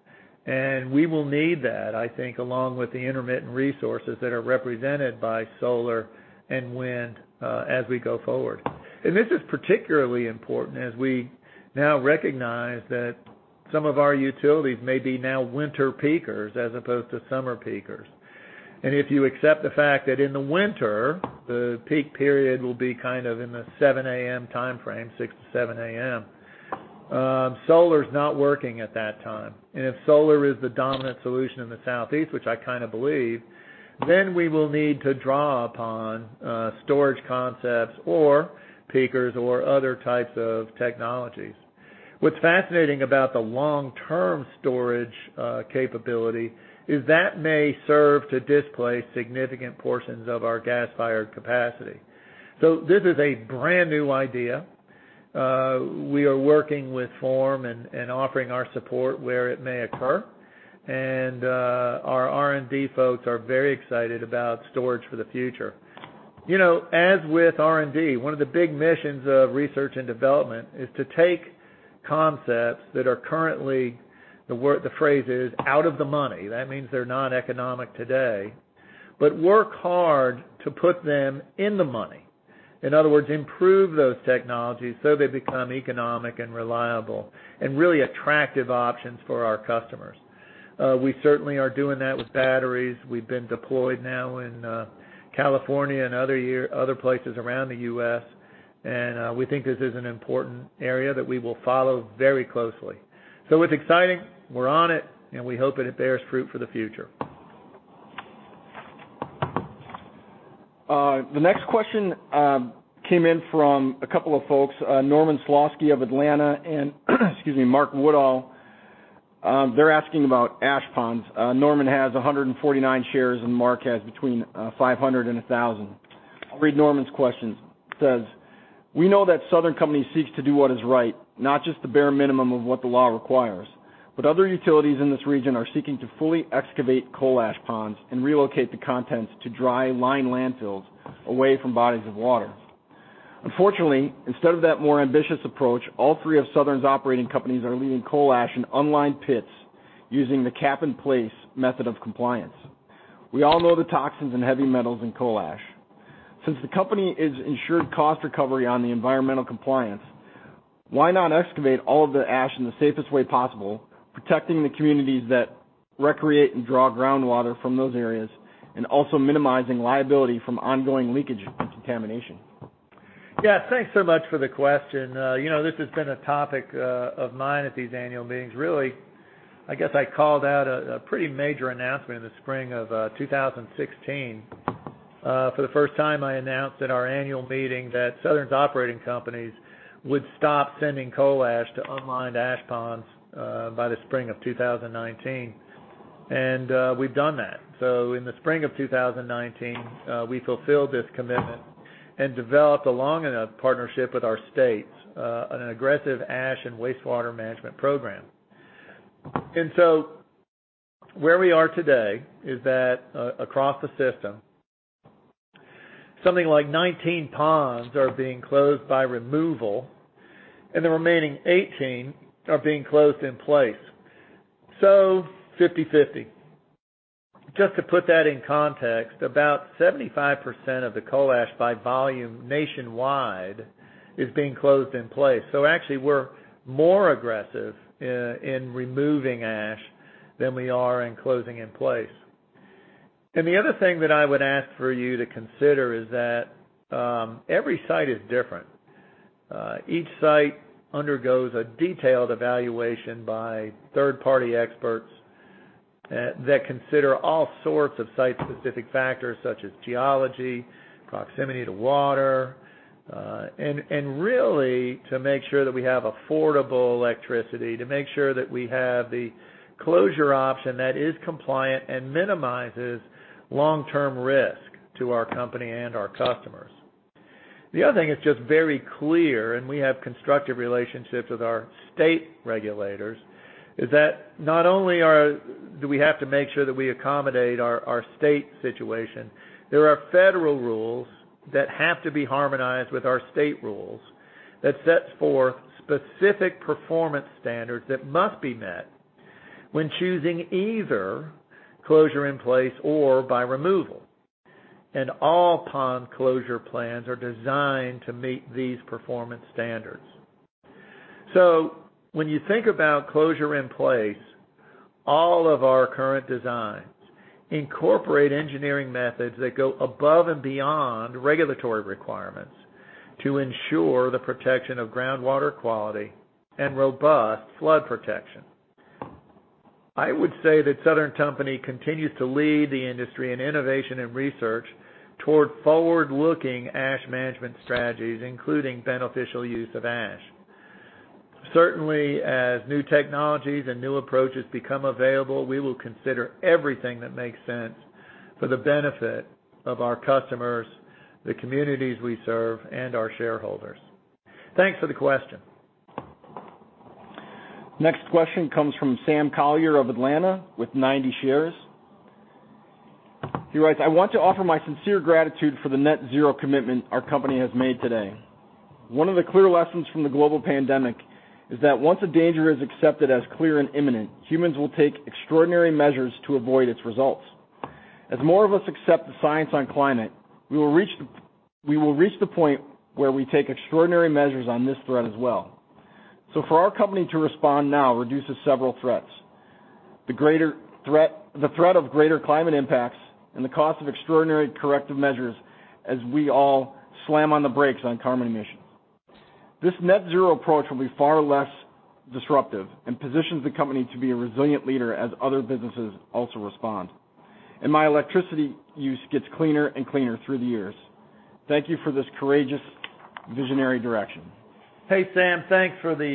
S2: we will need that, I think, along with the intermittent resources that are represented by solar and wind as we go forward. This is particularly important as we now recognize that some of our utilities may be now winter peakers as opposed to summer peakers. If you accept the fact that in the winter, the peak period will be kind of in the 7:00 A.M. timeframe, 6:00 - 7:00 A.M., solar's not working at that time. If solar is the dominant solution in the southeast, which I kind of believe, then we will need to draw upon storage concepts or peakers or other types of technologies. What's fascinating about the long-term storage capability is that may serve to displace significant portions of our gas-fired capacity. This is a brand-new idea. We are working with Form and offering our support where it may occur. Our R&D folks are very excited about storage for the future. As with R&D, one of the big missions of research and development is to take concepts that are currently, the phrase is, out of the money. That means they're not economic today, but work hard to put them in the money. In other words, improve those technologies so they become economic and reliable and really attractive options for our customers. We certainly are doing that with batteries. We've been deployed now in California and other places around the U.S., we think this is an important area that we will follow very closely. It's exciting. We're on it, we hope that it bears fruit for the future.
S5: The next question came in from a couple of folks, Norman Slosky of Atlanta and excuse me, Mark Woodall. They are asking about ash ponds. Norman has 149 shares and Mark has between 500 and 1,000. I will read Norman's question. It says, "We know that Southern Company seeks to do what is right, not just the bare minimum of what the law requires. Other utilities in this region are seeking to fully excavate coal ash ponds and relocate the contents to dry lined landfills away from bodies of water. Unfortunately, instead of that more ambitious approach, all three of Southern's operating companies are leaving coal ash in unlined pits using the cap-in-place method of compliance. We all know the toxins and heavy metals in coal ash. Since the company is ensured cost recovery on the environmental compliance, why not excavate all of the ash in the safest way possible, protecting the communities that recreate and draw groundwater from those areas, and also minimizing liability from ongoing leakage and contamination?
S2: Yeah. Thanks so much for the question. This has been a topic of mine at these annual meetings, really. I guess I called out a pretty major announcement in the spring of 2016. For the first time, I announced at our annual meeting that Southern's operating companies would stop sending coal ash to unlined ash ponds by the spring of 2019. We've done that. In the spring of 2019, we fulfilled this commitment and developed, along in a partnership with our states, an aggressive ash and wastewater management program. Where we are today is that across the system, something like 19 ponds are being closed by removal, and the remaining 18 are being closed in place. 50/50. Just to put that in context, about 75% of the coal ash by volume nationwide is being closed in place. Actually, we're more aggressive in removing ash than we are in closing in place. The other thing that I would ask for you to consider is that every site is different. Each site undergoes a detailed evaluation by third-party experts that consider all sorts of site-specific factors such as geology, proximity to water, and really to make sure that we have affordable electricity, to make sure that we have the closure option that is compliant and minimizes long-term risk to our company and our customers. The other thing that's just very clear, and we have constructive relationships with our state regulators, is that not only do we have to make sure that we accommodate our state situation, there are federal rules that have to be harmonized with our state rules that sets forth specific performance standards that must be met when choosing either closure in place or by removal. All pond closure plans are designed to meet these performance standards. When you think about closure in place, all of our current designs incorporate engineering methods that go above and beyond regulatory requirements to ensure the protection of groundwater quality and robust flood protection. I would say that Southern Company continues to lead the industry in innovation and research toward forward-looking ash management strategies, including beneficial use of ash. Certainly, as new technologies and new approaches become available, we will consider everything that makes sense for the benefit of our customers, the communities we serve, and our shareholders. Thanks for the question.
S5: Next question comes from Sam Collier of Atlanta with 90 shares. He writes, "I want to offer my sincere gratitude for the net zero commitment our company has made today. One of the clear lessons from the global pandemic is that once a danger is accepted as clear and imminent, humans will take extraordinary measures to avoid its results. As more of us accept the science on climate, we will reach the point where we take extraordinary measures on this threat as well. For our company to respond now reduces several threats. The threat of greater climate impacts and the cost of extraordinary corrective measures as we all slam on the brakes on carbon emissions. This net zero approach will be far less disruptive and positions the company to be a resilient leader as other businesses also respond, and my electricity use gets cleaner and cleaner through the years. Thank you for this courageous, visionary direction.
S2: Hey, Sam. Thanks for the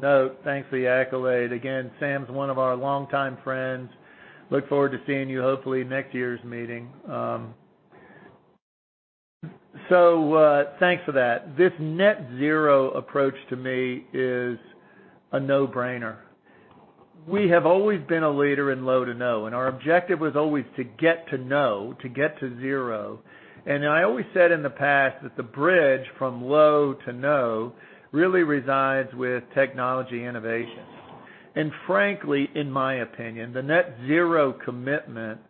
S2: note. Thanks for the accolade. Again, Sam's one of our longtime friends. Look forward to seeing you hopefully next year's meeting. Thanks for that. This net zero approach, to me, is a no-brainer. We have always been a leader in low to no, and our objective was always to get to no, to get to zero. I always said in the past that the bridge from low to no really resides with technology innovation. Frankly, in my opinion, the net zero commitment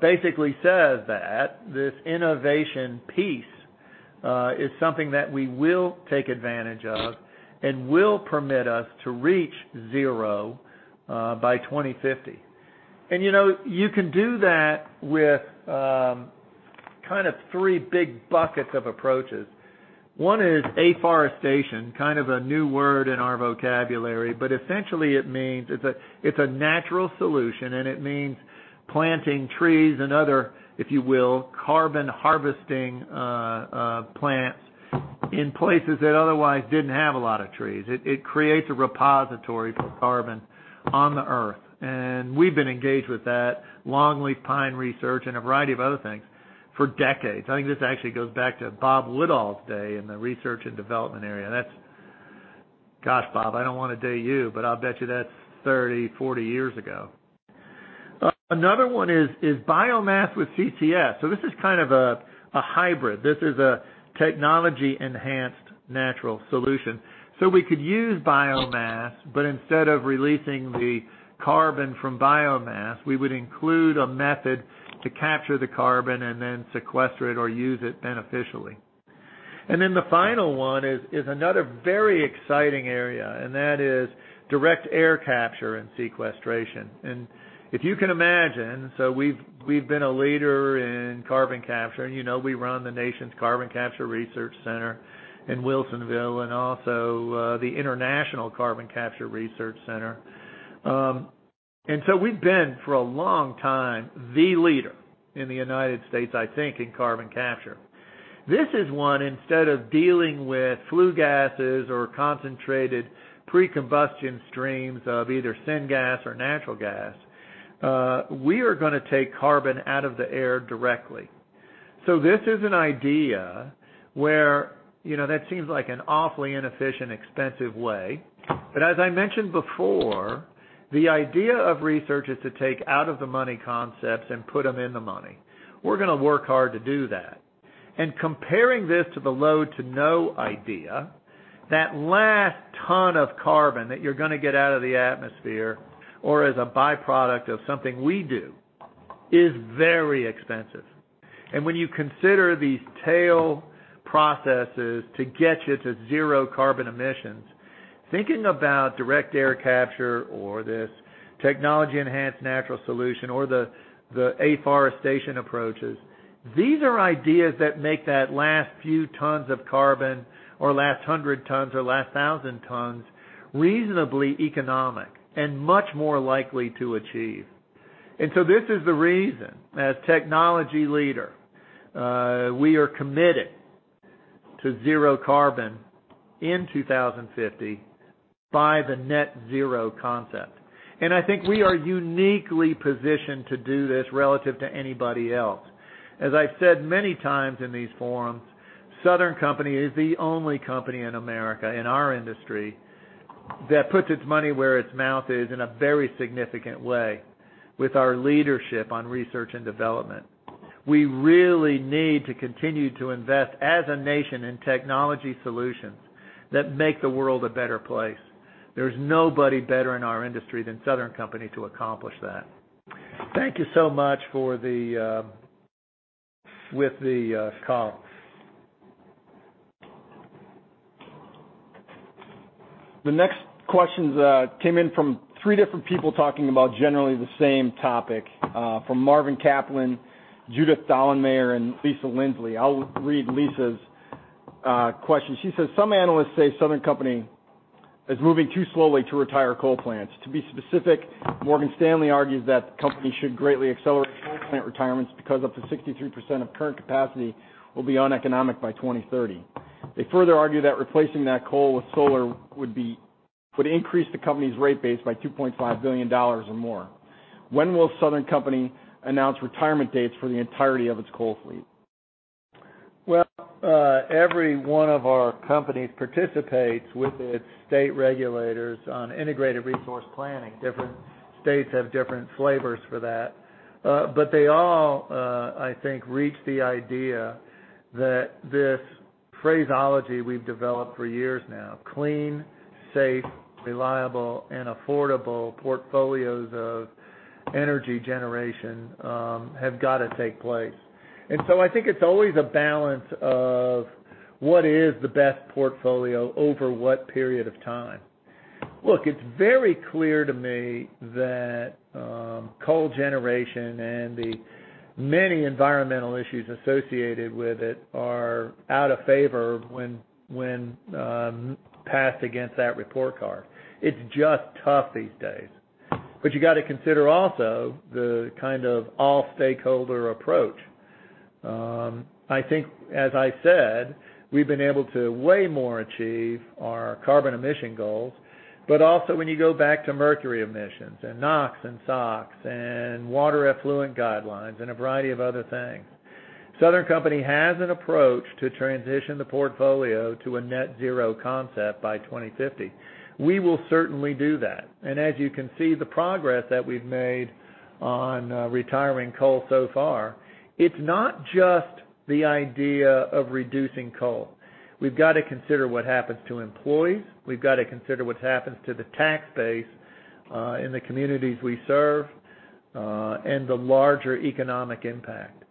S2: basically says that this innovation piece is something that we will take advantage of and will permit us to reach zero by 2050. You can do that with kind of three big buckets of approaches. One is afforestation, kind of a new word in our vocabulary, but essentially it means it's a natural solution, and it means planting trees and other, if you will, carbon harvesting plants in places that otherwise didn't have a lot of trees. It creates a repository for carbon on the Earth. We've been engaged with that, longleaf pine research, and a variety of other things for decades. I think this actually goes back to Bob Woodall's day in the research and development area. That's, gosh, Bob, I don't want to date you, but I'll bet you that's 30, 40 years ago. Another one is biomass with CCS. This is kind of a hybrid. This is a technology-enhanced natural solution. We could use biomass, but instead of releasing the carbon from biomass, we would include a method to capture the carbon and then sequester it or use it beneficially. The final one is another very exciting area, and that is direct air capture and sequestration. If you can imagine, we've been a leader in carbon capture, and you know we run the National Carbon Capture Center in Wilsonville and also the International Carbon Capture Research Center. We've been, for a long time, the leader in the U.S., I think, in carbon capture. This is one, instead of dealing with flue gases or concentrated pre-combustion streams of either syngas or natural gas, we are going to take carbon out of the air directly. This is an idea where that seems like an awfully inefficient, expensive way, but as I mentioned before, the idea of research is to take out-of-the-money concepts and put them in the money. We're going to work hard to do that. Comparing this to the low to no idea, that last ton of carbon that you're going to get out of the atmosphere or as a byproduct of something we do is very expensive. When you consider these tail processes to get you to zero carbon emissions, thinking about direct air capture or this technology-enhanced natural solution or the afforestation approaches, these are ideas that make that last few tons of carbon or last 100 tons or last 1,000 tons reasonably economic and much more likely to achieve. This is the reason, as technology leader, we are committed to zero carbon in 2050 by the net zero concept. I think we are uniquely positioned to do this relative to anybody else. As I've said many times in these forums, Southern Company is the only company in America, in our industry, that puts its money where its mouth is in a very significant way with our leadership on research and development. We really need to continue to invest as a nation in technology solutions that make the world a better place. There's nobody better in our industry than Southern Company to accomplish that.
S5: Thank you so much with the call. The next questions came in from three different people talking about generally the same topic, from Marvin Kaplan, Judith Dollenmayer, and Lisa Lindsley. I'll read Lisa's question. She says, "Some analysts say Southern Company is moving too slowly to retire coal plants. To be specific, Morgan Stanley argues that the company should greatly accelerate coal plant retirements because up to 63% of current capacity will be uneconomic by 2030. They further argue that replacing that coal with solar would increase the company's rate base by $2.5 billion or more. When will Southern Company announce retirement dates for the entirety of its coal fleet?
S2: Well every one of our companies participates with its state regulators on integrated resource planning. Different states have different flavors for that. They all I think reach the idea that this phraseology we've developed for years now, clean, safe, reliable, and affordable portfolios of energy generation have got to take place. I think it's always a balance of what is the best portfolio over what period of time. Look, it's very clear to me that coal generation and the many environmental issues associated with it are out of favor when passed against that report card. It's just tough these days. You got to consider also the kind of all stakeholder approach. I think, as I said, we've been able to way more achieve our carbon emission goals, but also when you go back to mercury emissions and NOx and SOx and water effluent guidelines and a variety of other things. Southern Company has an approach to transition the portfolio to a net zero concept by 2050. We will certainly do that. As you can see, the progress that we've made on retiring coal so far, it's not just the idea of reducing coal. We've got to consider what happens to employees, we've got to consider what happens to the tax base in the communities we serve, and the larger economic impact.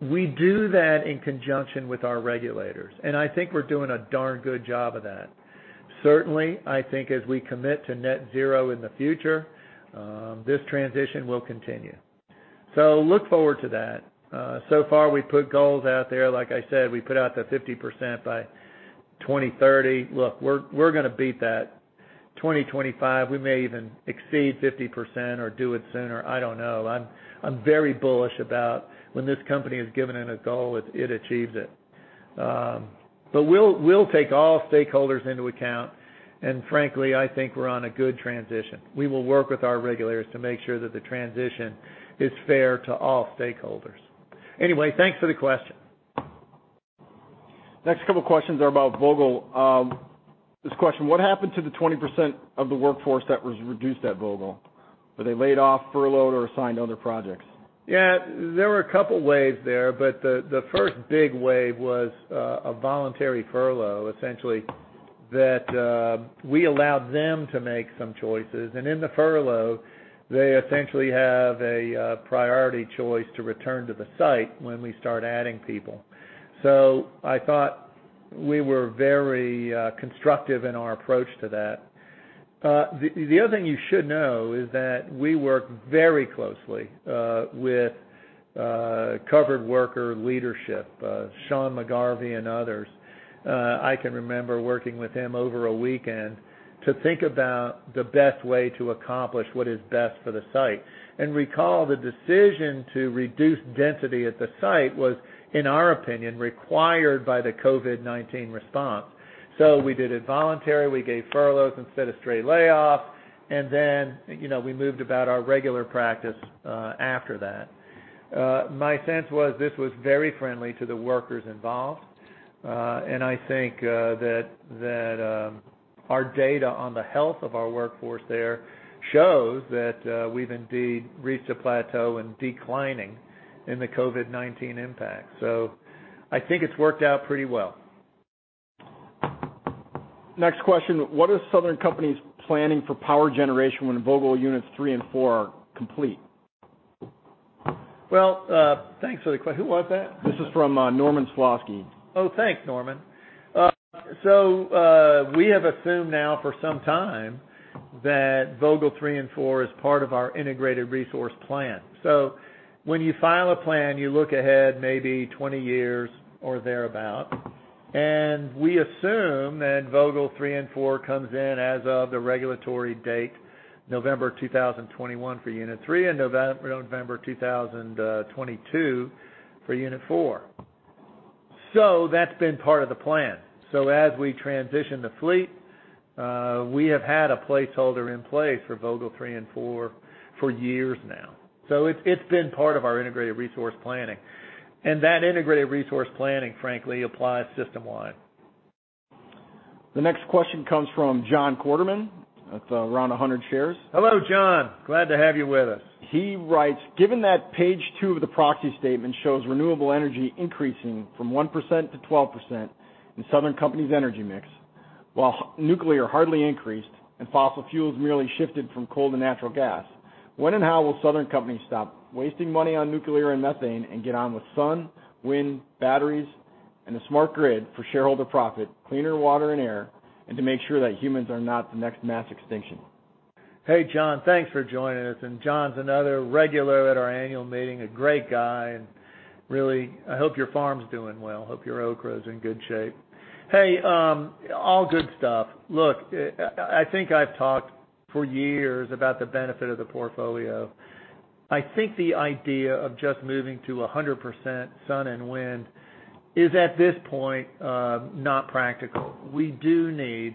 S2: We do that in conjunction with our regulators, and I think we're doing a darn good job of that. Certainly, I think as we commit to net zero in the future this transition will continue. Look forward to that. So far, we've put goals out there. Like I said, we put out the 50% by 2030. Look, we're going to beat that. 2025, we may even exceed 50% or do it sooner. I don't know. I'm very bullish about when this company is given a goal, it achieves it. We'll take all stakeholders into account, and frankly, I think we're on a good transition. We will work with our regulators to make sure that the transition is fair to all stakeholders. Anyway, thanks for the question.
S5: Next couple of questions are about Vogtle. This question, what happened to the 20% of the workforce that was reduced at Vogtle? Were they laid off, furloughed, or assigned other projects?
S2: There were a couple waves there, the first big wave was a voluntary furlough, essentially, that we allowed them to make some choices. In the furlough, they essentially have a priority choice to return to the site when we start adding people. I thought we were very constructive in our approach to that. The other thing you should know is that we work very closely with covered worker leadership, Sean McGarvey and others. I can remember working with him over a weekend to think about the best way to accomplish what is best for the site. Recall the decision to reduce density at the site was, in our opinion, required by the COVID-19 response. We did it voluntary, we gave furloughs instead of straight layoffs, then we moved about our regular practice after that. My sense was this was very friendly to the workers involved. I think that our data on the health of our workforce there shows that we've indeed reached a plateau and declining in the COVID-19 impact. I think it's worked out pretty well.
S5: Next question, what is Southern Company's planning for power generation when Vogtle Units three and four are complete?
S2: Well, thanks for the. Who was that?
S5: This is from Norman Slosky.
S2: Thanks, Norman. We have assumed now for some time that Vogtle three and four is part of our Integrated Resource Plan. When you file a plan, you look ahead maybe 20 years or thereabout, and we assume that Vogtle three and four comes in as of the regulatory date November 2021 for unit three, and November 2022 for unit four. That's been part of the plan. As we transition the fleet, we have had a placeholder in place for Vogtle three and four for years now. It's been part of our Integrated Resource Planning. That Integrated Resource Planning, frankly, applies system-wide.
S5: The next question comes from John Quarterman. That's around 100 shares.
S2: Hello, John. Glad to have you with us.
S5: He writes, "Given that page two of the proxy statement shows renewable energy increasing from 1% to 12% in Southern Company's energy mix, while nuclear hardly increased, and fossil fuels merely shifted from coal to natural gas, when and how will Southern Company stop wasting money on nuclear and methane and get on with sun, wind, batteries, and a smart grid for shareholder profit, cleaner water and air, and to make sure that humans are not the next mass extinction?
S2: Hey, John. Thanks for joining us, and John's another regular at our annual meeting, a great guy, and really, I hope your farm's doing well. Hope your okra's in good shape. Hey, all good stuff. Look, I think I've talked for years about the benefit of the portfolio. I think the idea of just moving to 100% sun and wind is, at this point, not practical. We do need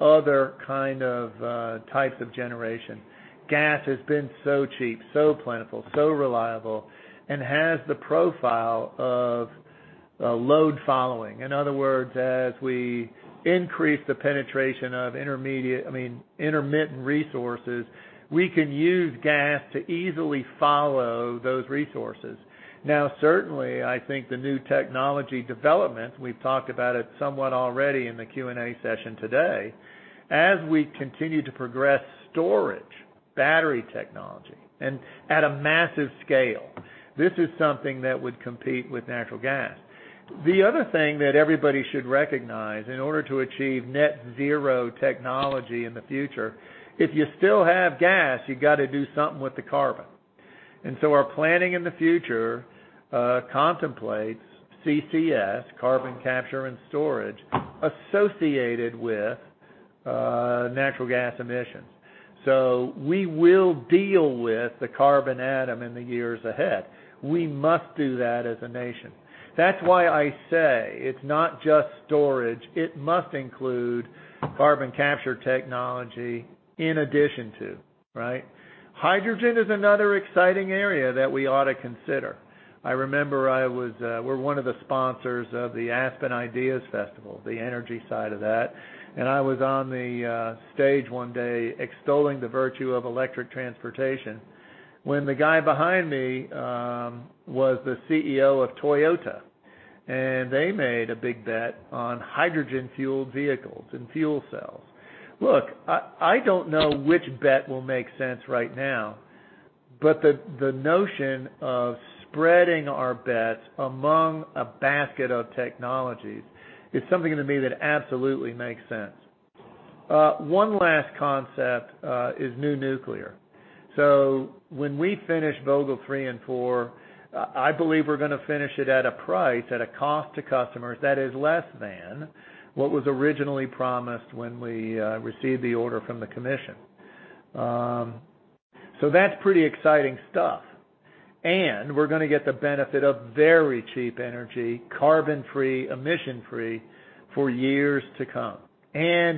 S2: other types of generation. Gas has been so cheap, so plentiful, so reliable, and has the profile of load following. In other words, as we increase the penetration of intermittent resources, we can use gas to easily follow those resources. Certainly, I think the new technology development, we've talked about it somewhat already in the Q&A session today. As we continue to progress storage, battery technology, and at a massive scale, this is something that would compete with natural gas. The other thing that everybody should recognize, in order to achieve net zero technology in the future, if you still have gas, you got to do something with the carbon. Our planning in the future contemplates CCS, carbon capture and storage, associated with natural gas emissions. We will deal with the carbon atom in the years ahead. We must do that as a nation. That's why I say it's not just storage. It must include carbon capture technology in addition to, right? Hydrogen is another exciting area that we ought to consider. I remember we're one of the sponsors of the Aspen Ideas Festival, the energy side of that, and I was on the stage one day extolling the virtue of electric transportation when the guy behind me was the CEO of Toyota, and they made a big bet on hydrogen-fueled vehicles and fuel cells. Look, I don't know which bet will make sense right now, but the notion of spreading our bets among a basket of technologies is something to me that absolutely makes sense. One last concept is new nuclear. When we finish Vogtle three and four, I believe we're going to finish it at a price, at a cost to customers that is less than what was originally promised when we received the order from the commission. That's pretty exciting stuff. We're going to get the benefit of very cheap energy, carbon-free, emission-free for years to come.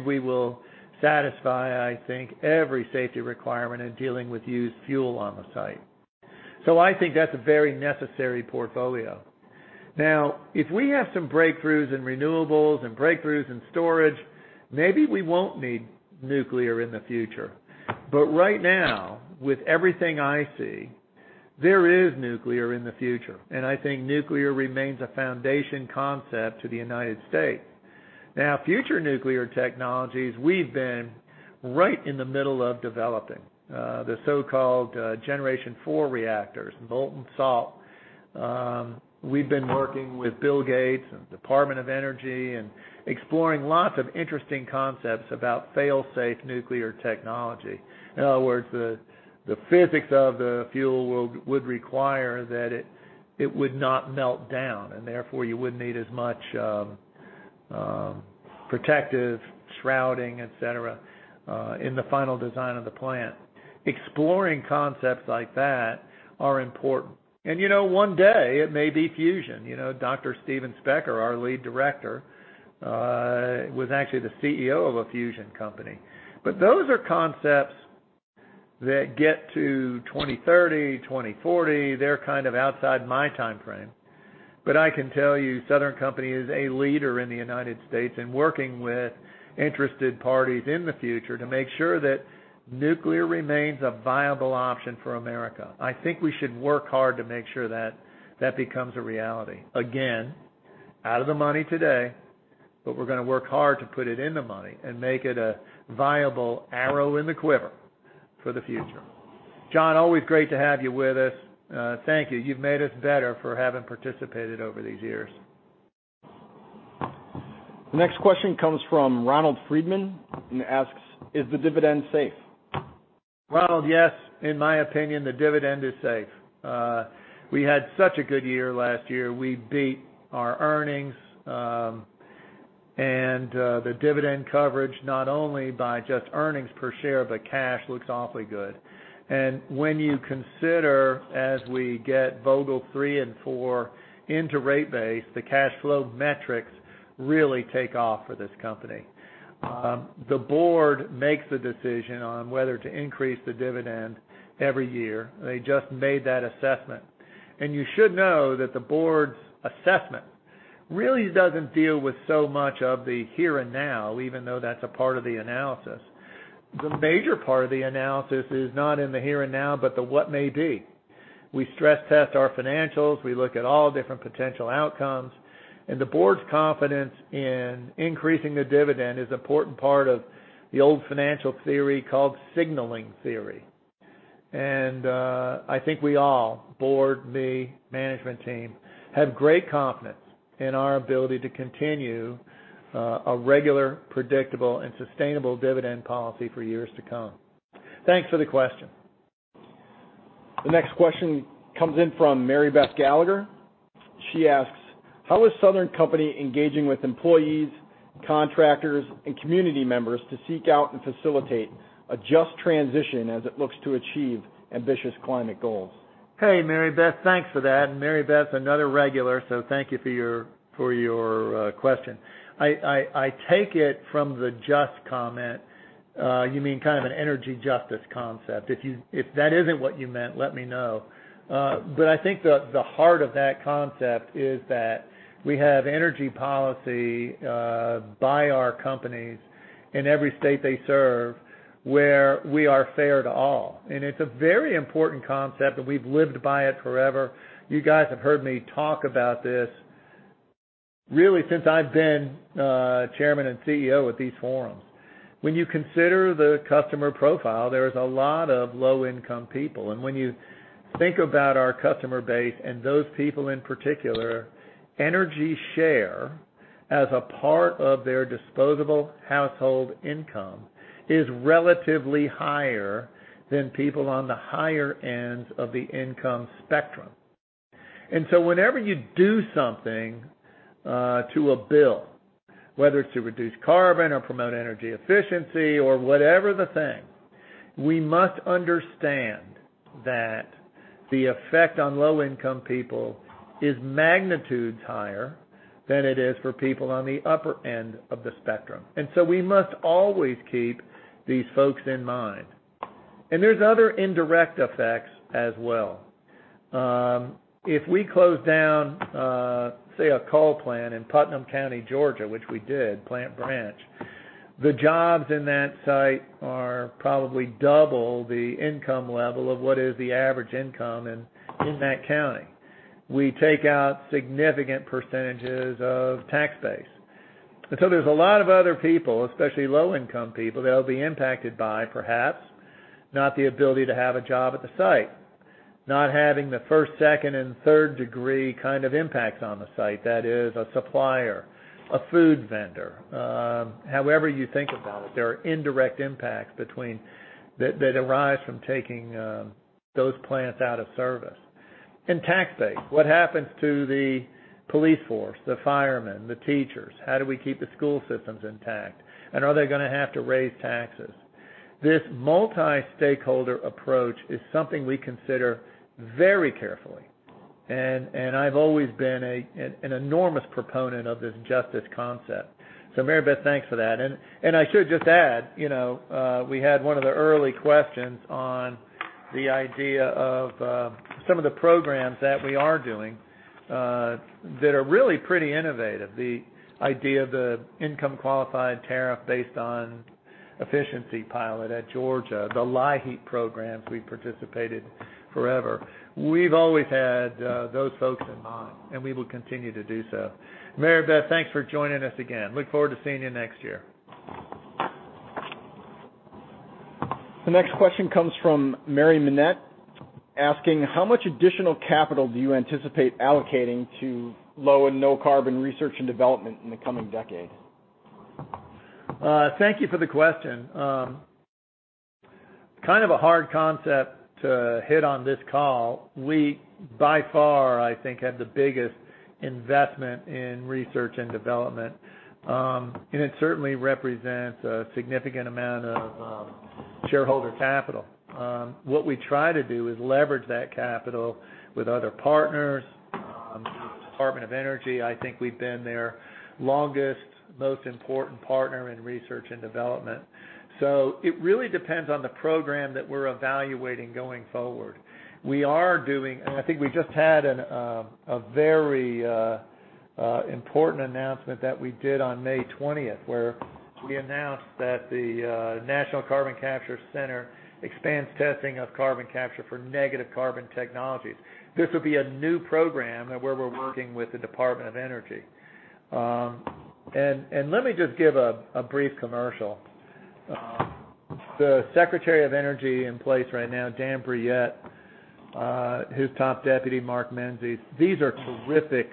S2: We will satisfy, I think, every safety requirement in dealing with used fuel on the site. I think that's a very necessary portfolio. If we have some breakthroughs in renewables and breakthroughs in storage, maybe we won't need nuclear in the future. Right now, with everything I see, there is nuclear in the future, and I think nuclear remains a foundation concept to the U.S. Future nuclear technologies, we've been right in the middle of developing the so-called Generation IV reactors, molten salt. We've been working with Bill Gates and Department of Energy and exploring lots of interesting concepts about fail-safe nuclear technology. In other words, the physics of the fuel would require that it would not melt down, and therefore, you wouldn't need as much protective shrouding, et cetera, in the final design of the plant. Exploring concepts like that are important. One day it may be fusion. Dr. Steven Specker, our lead director, was actually the CEO of a fusion company. Those are concepts that get to 2030, 2040. They're kind of outside my timeframe. I can tell you, Southern Company is a leader in the United States in working with interested parties in the future to make sure that nuclear remains a viable option for America. I think we should work hard to make sure that that becomes a reality. Again, out of the money today, but we're going to work hard to put it in the money and make it a viable arrow in the quiver for the future. John, always great to have you with us. Thank you. You've made us better for having participated over these years.
S5: The next question comes from Ronald Friedman and asks, "Is the dividend safe?
S2: Ronald, yes, in my opinion, the dividend is safe. We had such a good year last year. We beat our earnings. The dividend coverage, not only by just earnings per share, but cash looks awfully good. When you consider as we get Vogtle three and four into rate base, the cash flow metrics really take off for this company. The board makes a decision on whether to increase the dividend every year. They just made that assessment. You should know that the board's assessment really doesn't deal with so much of the here and now, even though that's a part of the analysis. The major part of the analysis is not in the here and now, but the what may be. We stress test our financials. We look at all different potential outcomes. The board's confidence in increasing the dividend is important part of the old financial theory called Signaling Theory. I think we all, board, me, management team, have great confidence in our ability to continue a regular, predictable, and sustainable dividend policy for years to come. Thanks for the question.
S5: The next question comes in from Mary Beth Gallagher. She asks, "How is Southern Company engaging with employees, contractors, and community members to seek out and facilitate a just transition as it looks to achieve ambitious climate goals?
S2: Hey, Mary Beth. Thanks for that. Mary Beth's another regular, thank you for your question. I take it from the just comment, you mean kind of an energy justice concept. If that isn't what you meant, let me know. I think the heart of that concept is that we have energy policy by our companies in every state they serve where we are fair to all. It's a very important concept, and we've lived by it forever. You guys have heard me talk about this really since I've been chairman and CEO at these forums. When you consider the customer profile, there is a lot of low-income people. When you think about our customer base and those people in particular, energy share as a part of their disposable household income is relatively higher than people on the higher ends of the income spectrum. Whenever you do something to a bill, whether it's to reduce carbon or promote energy efficiency or whatever the thing, we must understand that the effect on low-income people is magnitudes higher than it is for people on the upper end of the spectrum. We must always keep these folks in mind. There's other indirect effects as well. If we close down, say, a coal plant in Putnam County, Georgia, which we did, Plant Branch, the jobs in that site are probably double the income level of what is the average income in that county. We take out significant percentages of tax base. There's a lot of other people, especially low-income people, that'll be impacted by perhaps not the ability to have a job at the site, not having the first, second, and third degree kind of impacts on the site. That is, a supplier, a food vendor. However you think about it, there are indirect impacts that arise from taking those plants out of service. Tax base. What happens to the police force, the firemen, the teachers? How do we keep the school systems intact? Are they going to have to raise taxes? This multi-stakeholder approach is something we consider very carefully, and I've always been an enormous proponent of this justice concept. Mary Beth, thanks for that. I should just add, we had one of the early questions on the idea of some of the programs that we are doing that are really pretty innovative. The idea of the Income-Qualified Tariff-Based Energy Efficiency Pilot at Georgia, the LIHEAP programs we've participated forever. We've always had those folks in mind, and we will continue to do so. Mary Beth, thanks for joining us again. Look forward to seeing you next year.
S5: The next question comes from Mary Minette asking, "How much additional capital do you anticipate allocating to low and no carbon research and development in the coming decade?
S2: Thank you for the question. Kind of a hard concept to hit on this call. We, by far, I think, have the biggest investment in research and development. It certainly represents a significant amount of shareholder capital. What we try to do is leverage that capital with other partners. The Department of Energy, I think we've been their longest, most important partner in research and development. It really depends on the program that we're evaluating going forward. I think we just had a very important announcement that we did on May 20th, where we announced that the National Carbon Capture Center expands testing of carbon capture for negative carbon technologies. This would be a new program where we're working with the Department of Energy. Let me just give a brief commercial. The Secretary of Energy in place right now, Dan Brouillette, his top deputy, Mark Menezes, these are terrific,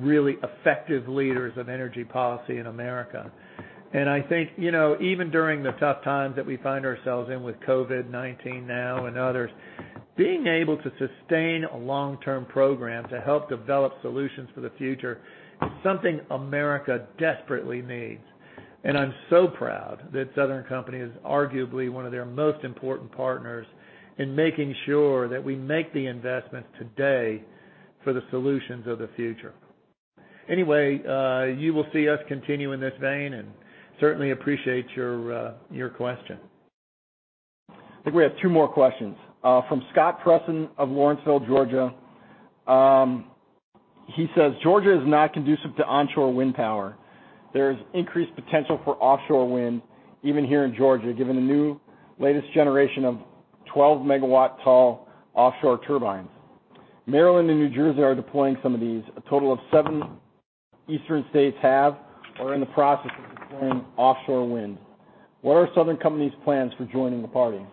S2: really effective leaders of energy policy in America. I think even during the tough times that we find ourselves in with COVID-19 now and others being able to sustain a long-term program to help develop solutions for the future is something America desperately needs. I'm so proud that Southern Company is arguably one of their most important partners in making sure that we make the investments today for the solutions of the future. You will see us continue in this vein, and certainly appreciate your question.
S5: I think we have two more questions. From Scott Presson of Lawrenceville, Georgia. He says, "Georgia is not conducive to onshore wind power. There's increased potential for offshore wind even here in Georgia, given the new latest generation of 12-megawatt tall offshore turbines. Maryland and New Jersey are deploying some of these. A total of seven eastern states have or are in the process of deploying offshore wind. What are The Southern Company's plans for joining the party?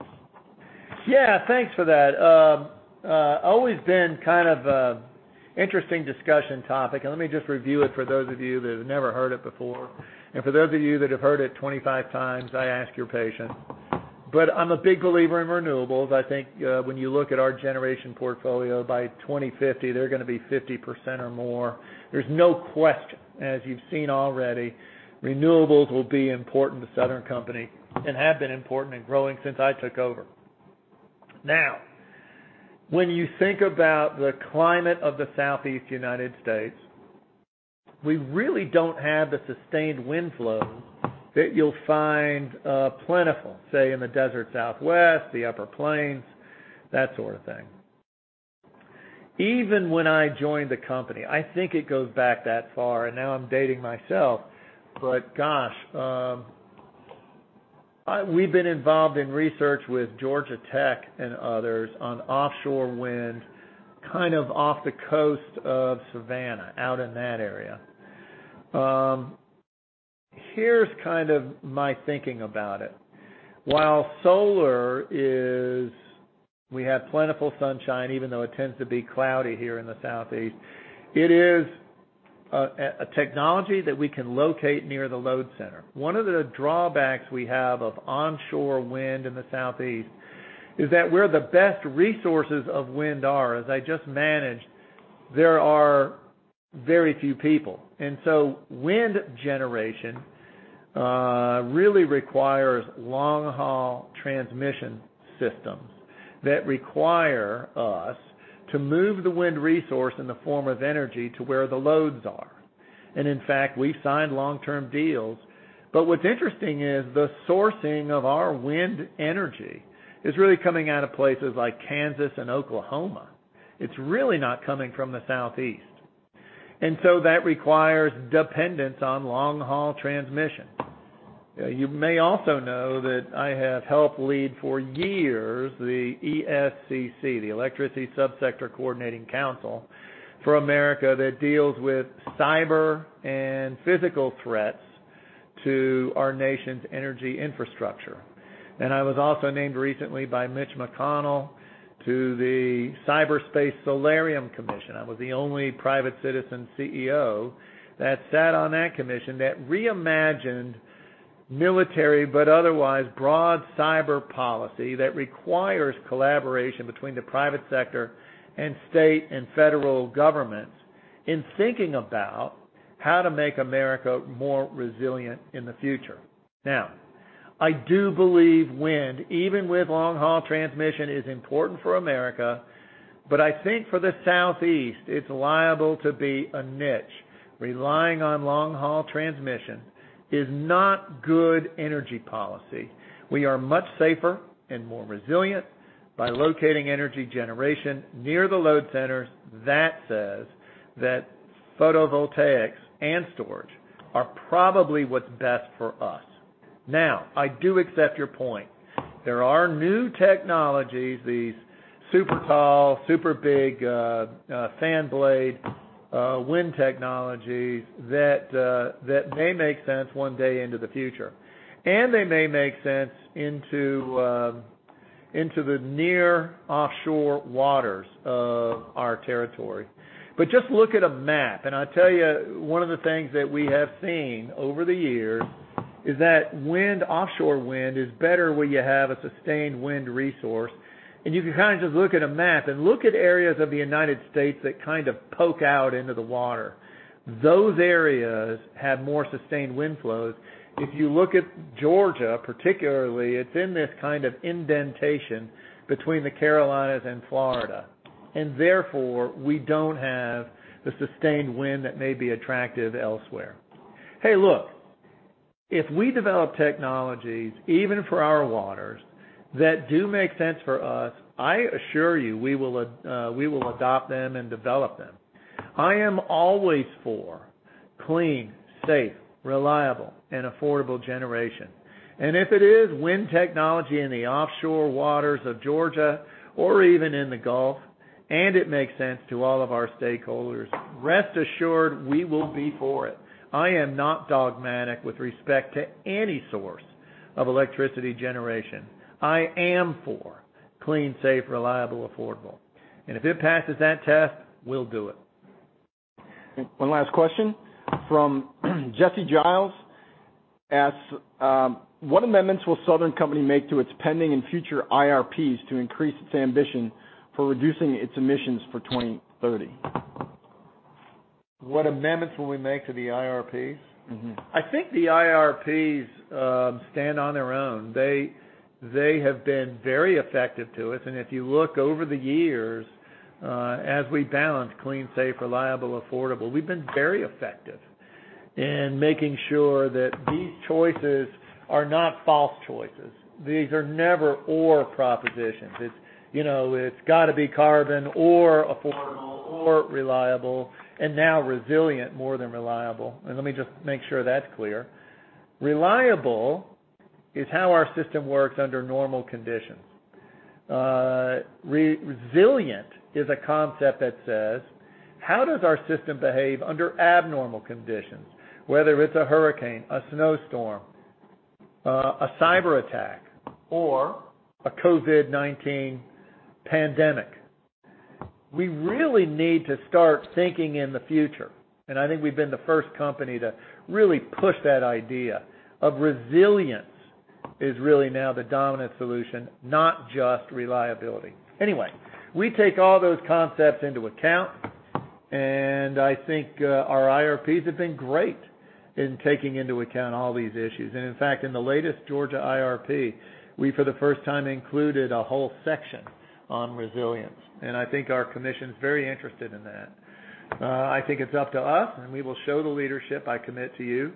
S2: Yeah, thanks for that. Always been kind of a interesting discussion topic. Let me just review it for those of you that have never heard it before. For those of you that have heard it 25x, I ask your patience. I'm a big believer in renewables. I think when you look at our generation portfolio, by 2050 they're going to be 50% or more. There's no question, as you've seen already, renewables will be important to Southern Company and have been important and growing since I took over. When you think about the climate of the southeast United States, we really don't have the sustained wind flow that you'll find plentiful, say, in the desert Southwest, the upper plains, that sort of thing. Even when I joined the company, I think it goes back that far, and now I'm dating myself, but gosh, we've been involved in research with Georgia Tech and others on offshore wind, kind of off the coast of Savannah, out in that area. Here's kind of my thinking about it. While we have plentiful sunshine, even though it tends to be cloudy here in the southeast. It is a technology that we can locate near the load center. One of the drawbacks we have of onshore wind in the southeast is that where the best resources of wind are, as I just mentioned, there are very few people. Wind generation really requires long-haul transmission systems that require us to move the wind resource in the form of energy to where the loads are. In fact, we've signed long-term deals. What's interesting is the sourcing of our wind energy is really coming out of places like Kansas and Oklahoma. It's really not coming from the Southeast. That requires dependence on long-haul transmission. You may also know that I have helped lead for years the ESCC, the Electricity Subsector Coordinating Council, for America that deals with cyber and physical threats to our nation's energy infrastructure. I was also named recently by Mitch McConnell to the Cyberspace Solarium Commission. I was the only private citizen CEO that sat on that commission that reimagined military, but otherwise broad cyber policy that requires collaboration between the private sector and state and federal governments in thinking about how to make America more resilient in the future. Now, I do believe wind, even with long-haul transmission, is important for America. I think for the Southeast, it's liable to be a niche. Relying on long-haul transmission is not good energy policy. We are much safer and more resilient by locating energy generation near the load centers. That says that photovoltaics and storage are probably what's best for us. Now, I do accept your point. There are new technologies, these super tall, super big fan blade wind technologies that may make sense one day into the future, and they may make sense into the near offshore waters of our territory. Just look at a map, and I'll tell you one of the things that we have seen over the years is that wind, offshore wind, is better where you have a sustained wind resource. You can kind of just look at a map and look at areas of the United States that kind of poke out into the water. Those areas have more sustained wind flows. If you look at Georgia particularly, it's in this kind of indentation between the Carolinas and Florida, and therefore, we don't have the sustained wind that may be attractive elsewhere. Hey, look, if we develop technologies, even for our waters, that do make sense for us, I assure you we will adopt them and develop them. I am always for clean, safe, reliable, and affordable generation. If it is wind technology in the offshore waters of Georgia or even in the Gulf, and it makes sense to all of our stakeholders, rest assured we will be for it. I am not dogmatic with respect to any source of electricity generation. I am for clean, safe, reliable, affordable. If it passes that test, we'll do it.
S5: One last question from Jesse Giles asks, "What amendments will Southern Company make to its pending and future IRPs to increase its ambition for reducing its emissions for 2030?
S2: What amendments will we make to the IRPs? I think the IRPs stand on their own. They have been very effective to us, and if you look over the years, as we balance clean, safe, reliable, affordable, we've been very effective in making sure that these choices are not false choices. These are never or propositions. It's got to be carbon or affordable or reliable, and now resilient more than reliable. Let me just make sure that's clear. Reliable is how our system works under normal conditions. Resilient is a concept that says, how does our system behave under abnormal conditions, whether it's a hurricane, a snowstorm, a cyberattack, or a COVID-19 pandemic? We really need to start thinking in the future, and I think we've been the first company to really push that idea of resilience is really now the dominant solution, not just reliability. We take all those concepts into account. I think our IRPs have been great in taking into account all these issues. In fact, in the latest Georgia IRP, we for the first time included a whole section on resilience, and I think our commission's very interested in that. I think it's up to us, and we will show the leadership, I commit to you,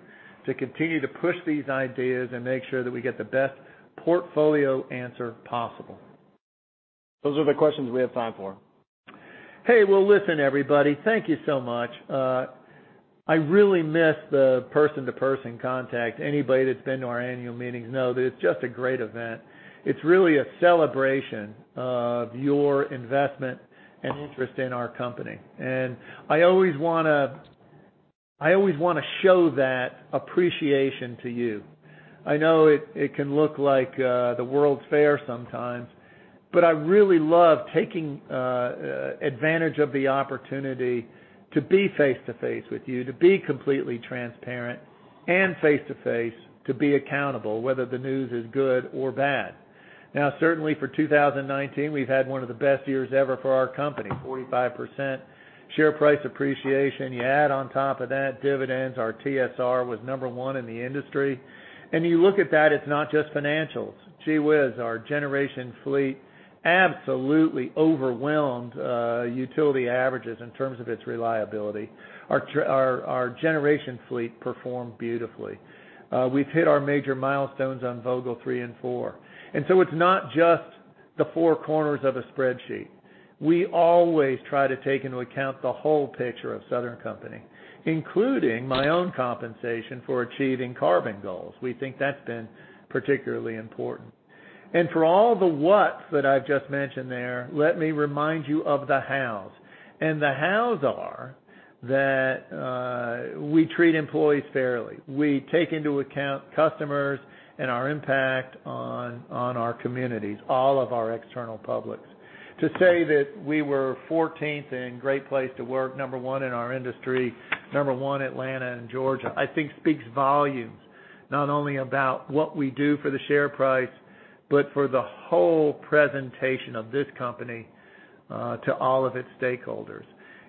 S2: to continue to push these ideas and make sure that we get the best portfolio answer possible.
S5: Those are the questions we have time for.
S2: Hey, well, listen, everybody, thank you so much. I really miss the person-to-person contact. Anybody that's been to our annual meetings know that it's just a great event. It's really a celebration of your investment and interest in our company. I always want to show that appreciation to you. I know it can look like the world's fair sometimes, but I really love taking advantage of the opportunity to be face-to-face with you, to be completely transparent and face-to-face, to be accountable, whether the news is good or bad. Now, certainly for 2019, we've had one of the best years ever for our company, 45% share price appreciation. You add on top of that dividends. Our TSR was number 1 in the industry. You look at that, it's not just financials. Gee whiz, our generation fleet absolutely overwhelmed utility averages in terms of its reliability. Our generation fleet performed beautifully. We've hit our major milestones on Vogtle three and four. So it's not just the four corners of a spreadsheet. We always try to take into account the whole picture of Southern Company, including my own compensation for achieving carbon goals. We think that's been particularly important. For all the whats that I've just mentioned there, let me remind you of the hows. The hows are that we treat employees fairly. We take into account customers and our impact on our communities, all of our external publics. To say that we were 14th in Great Place to Work, number one in our industry, number one Atlanta and Georgia, I think speaks volumes, not only about what we do for the share price, but for the whole presentation of this company to all of its stakeholders.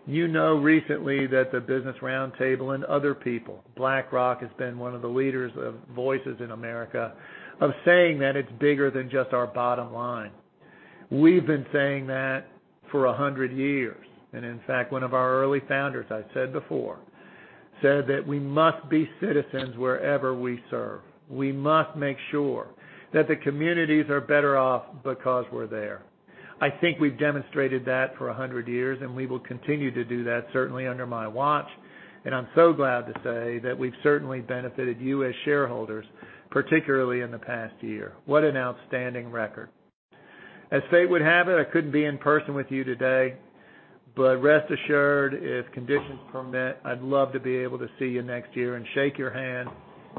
S2: You know recently that the Business Roundtable and other people, BlackRock has been one of the leaders of voices in America of saying that it's bigger than just our bottom line. We've been saying that for 100 years. In fact, one of our early founders, I've said before, said that we must be citizens wherever we serve. We must make sure that the communities are better off because we're there. I think we've demonstrated that for 100 years, and we will continue to do that, certainly under my watch. I'm so glad to say that we've certainly benefited you as shareholders, particularly in the past year. What an outstanding record. As fate would have it, I couldn't be in person with you today, but rest assured, if conditions permit, I'd love to be able to see you next year and shake your hand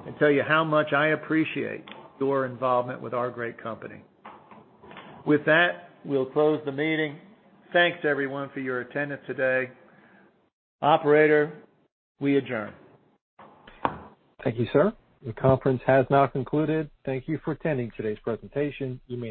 S2: and tell you how much I appreciate your involvement with our great company. With that, we'll close the meeting. Thanks, everyone, for your attendance today. Operator, we adjourn.
S1: Thank you, sir. The conference has now concluded. Thank you for attending today's presentation.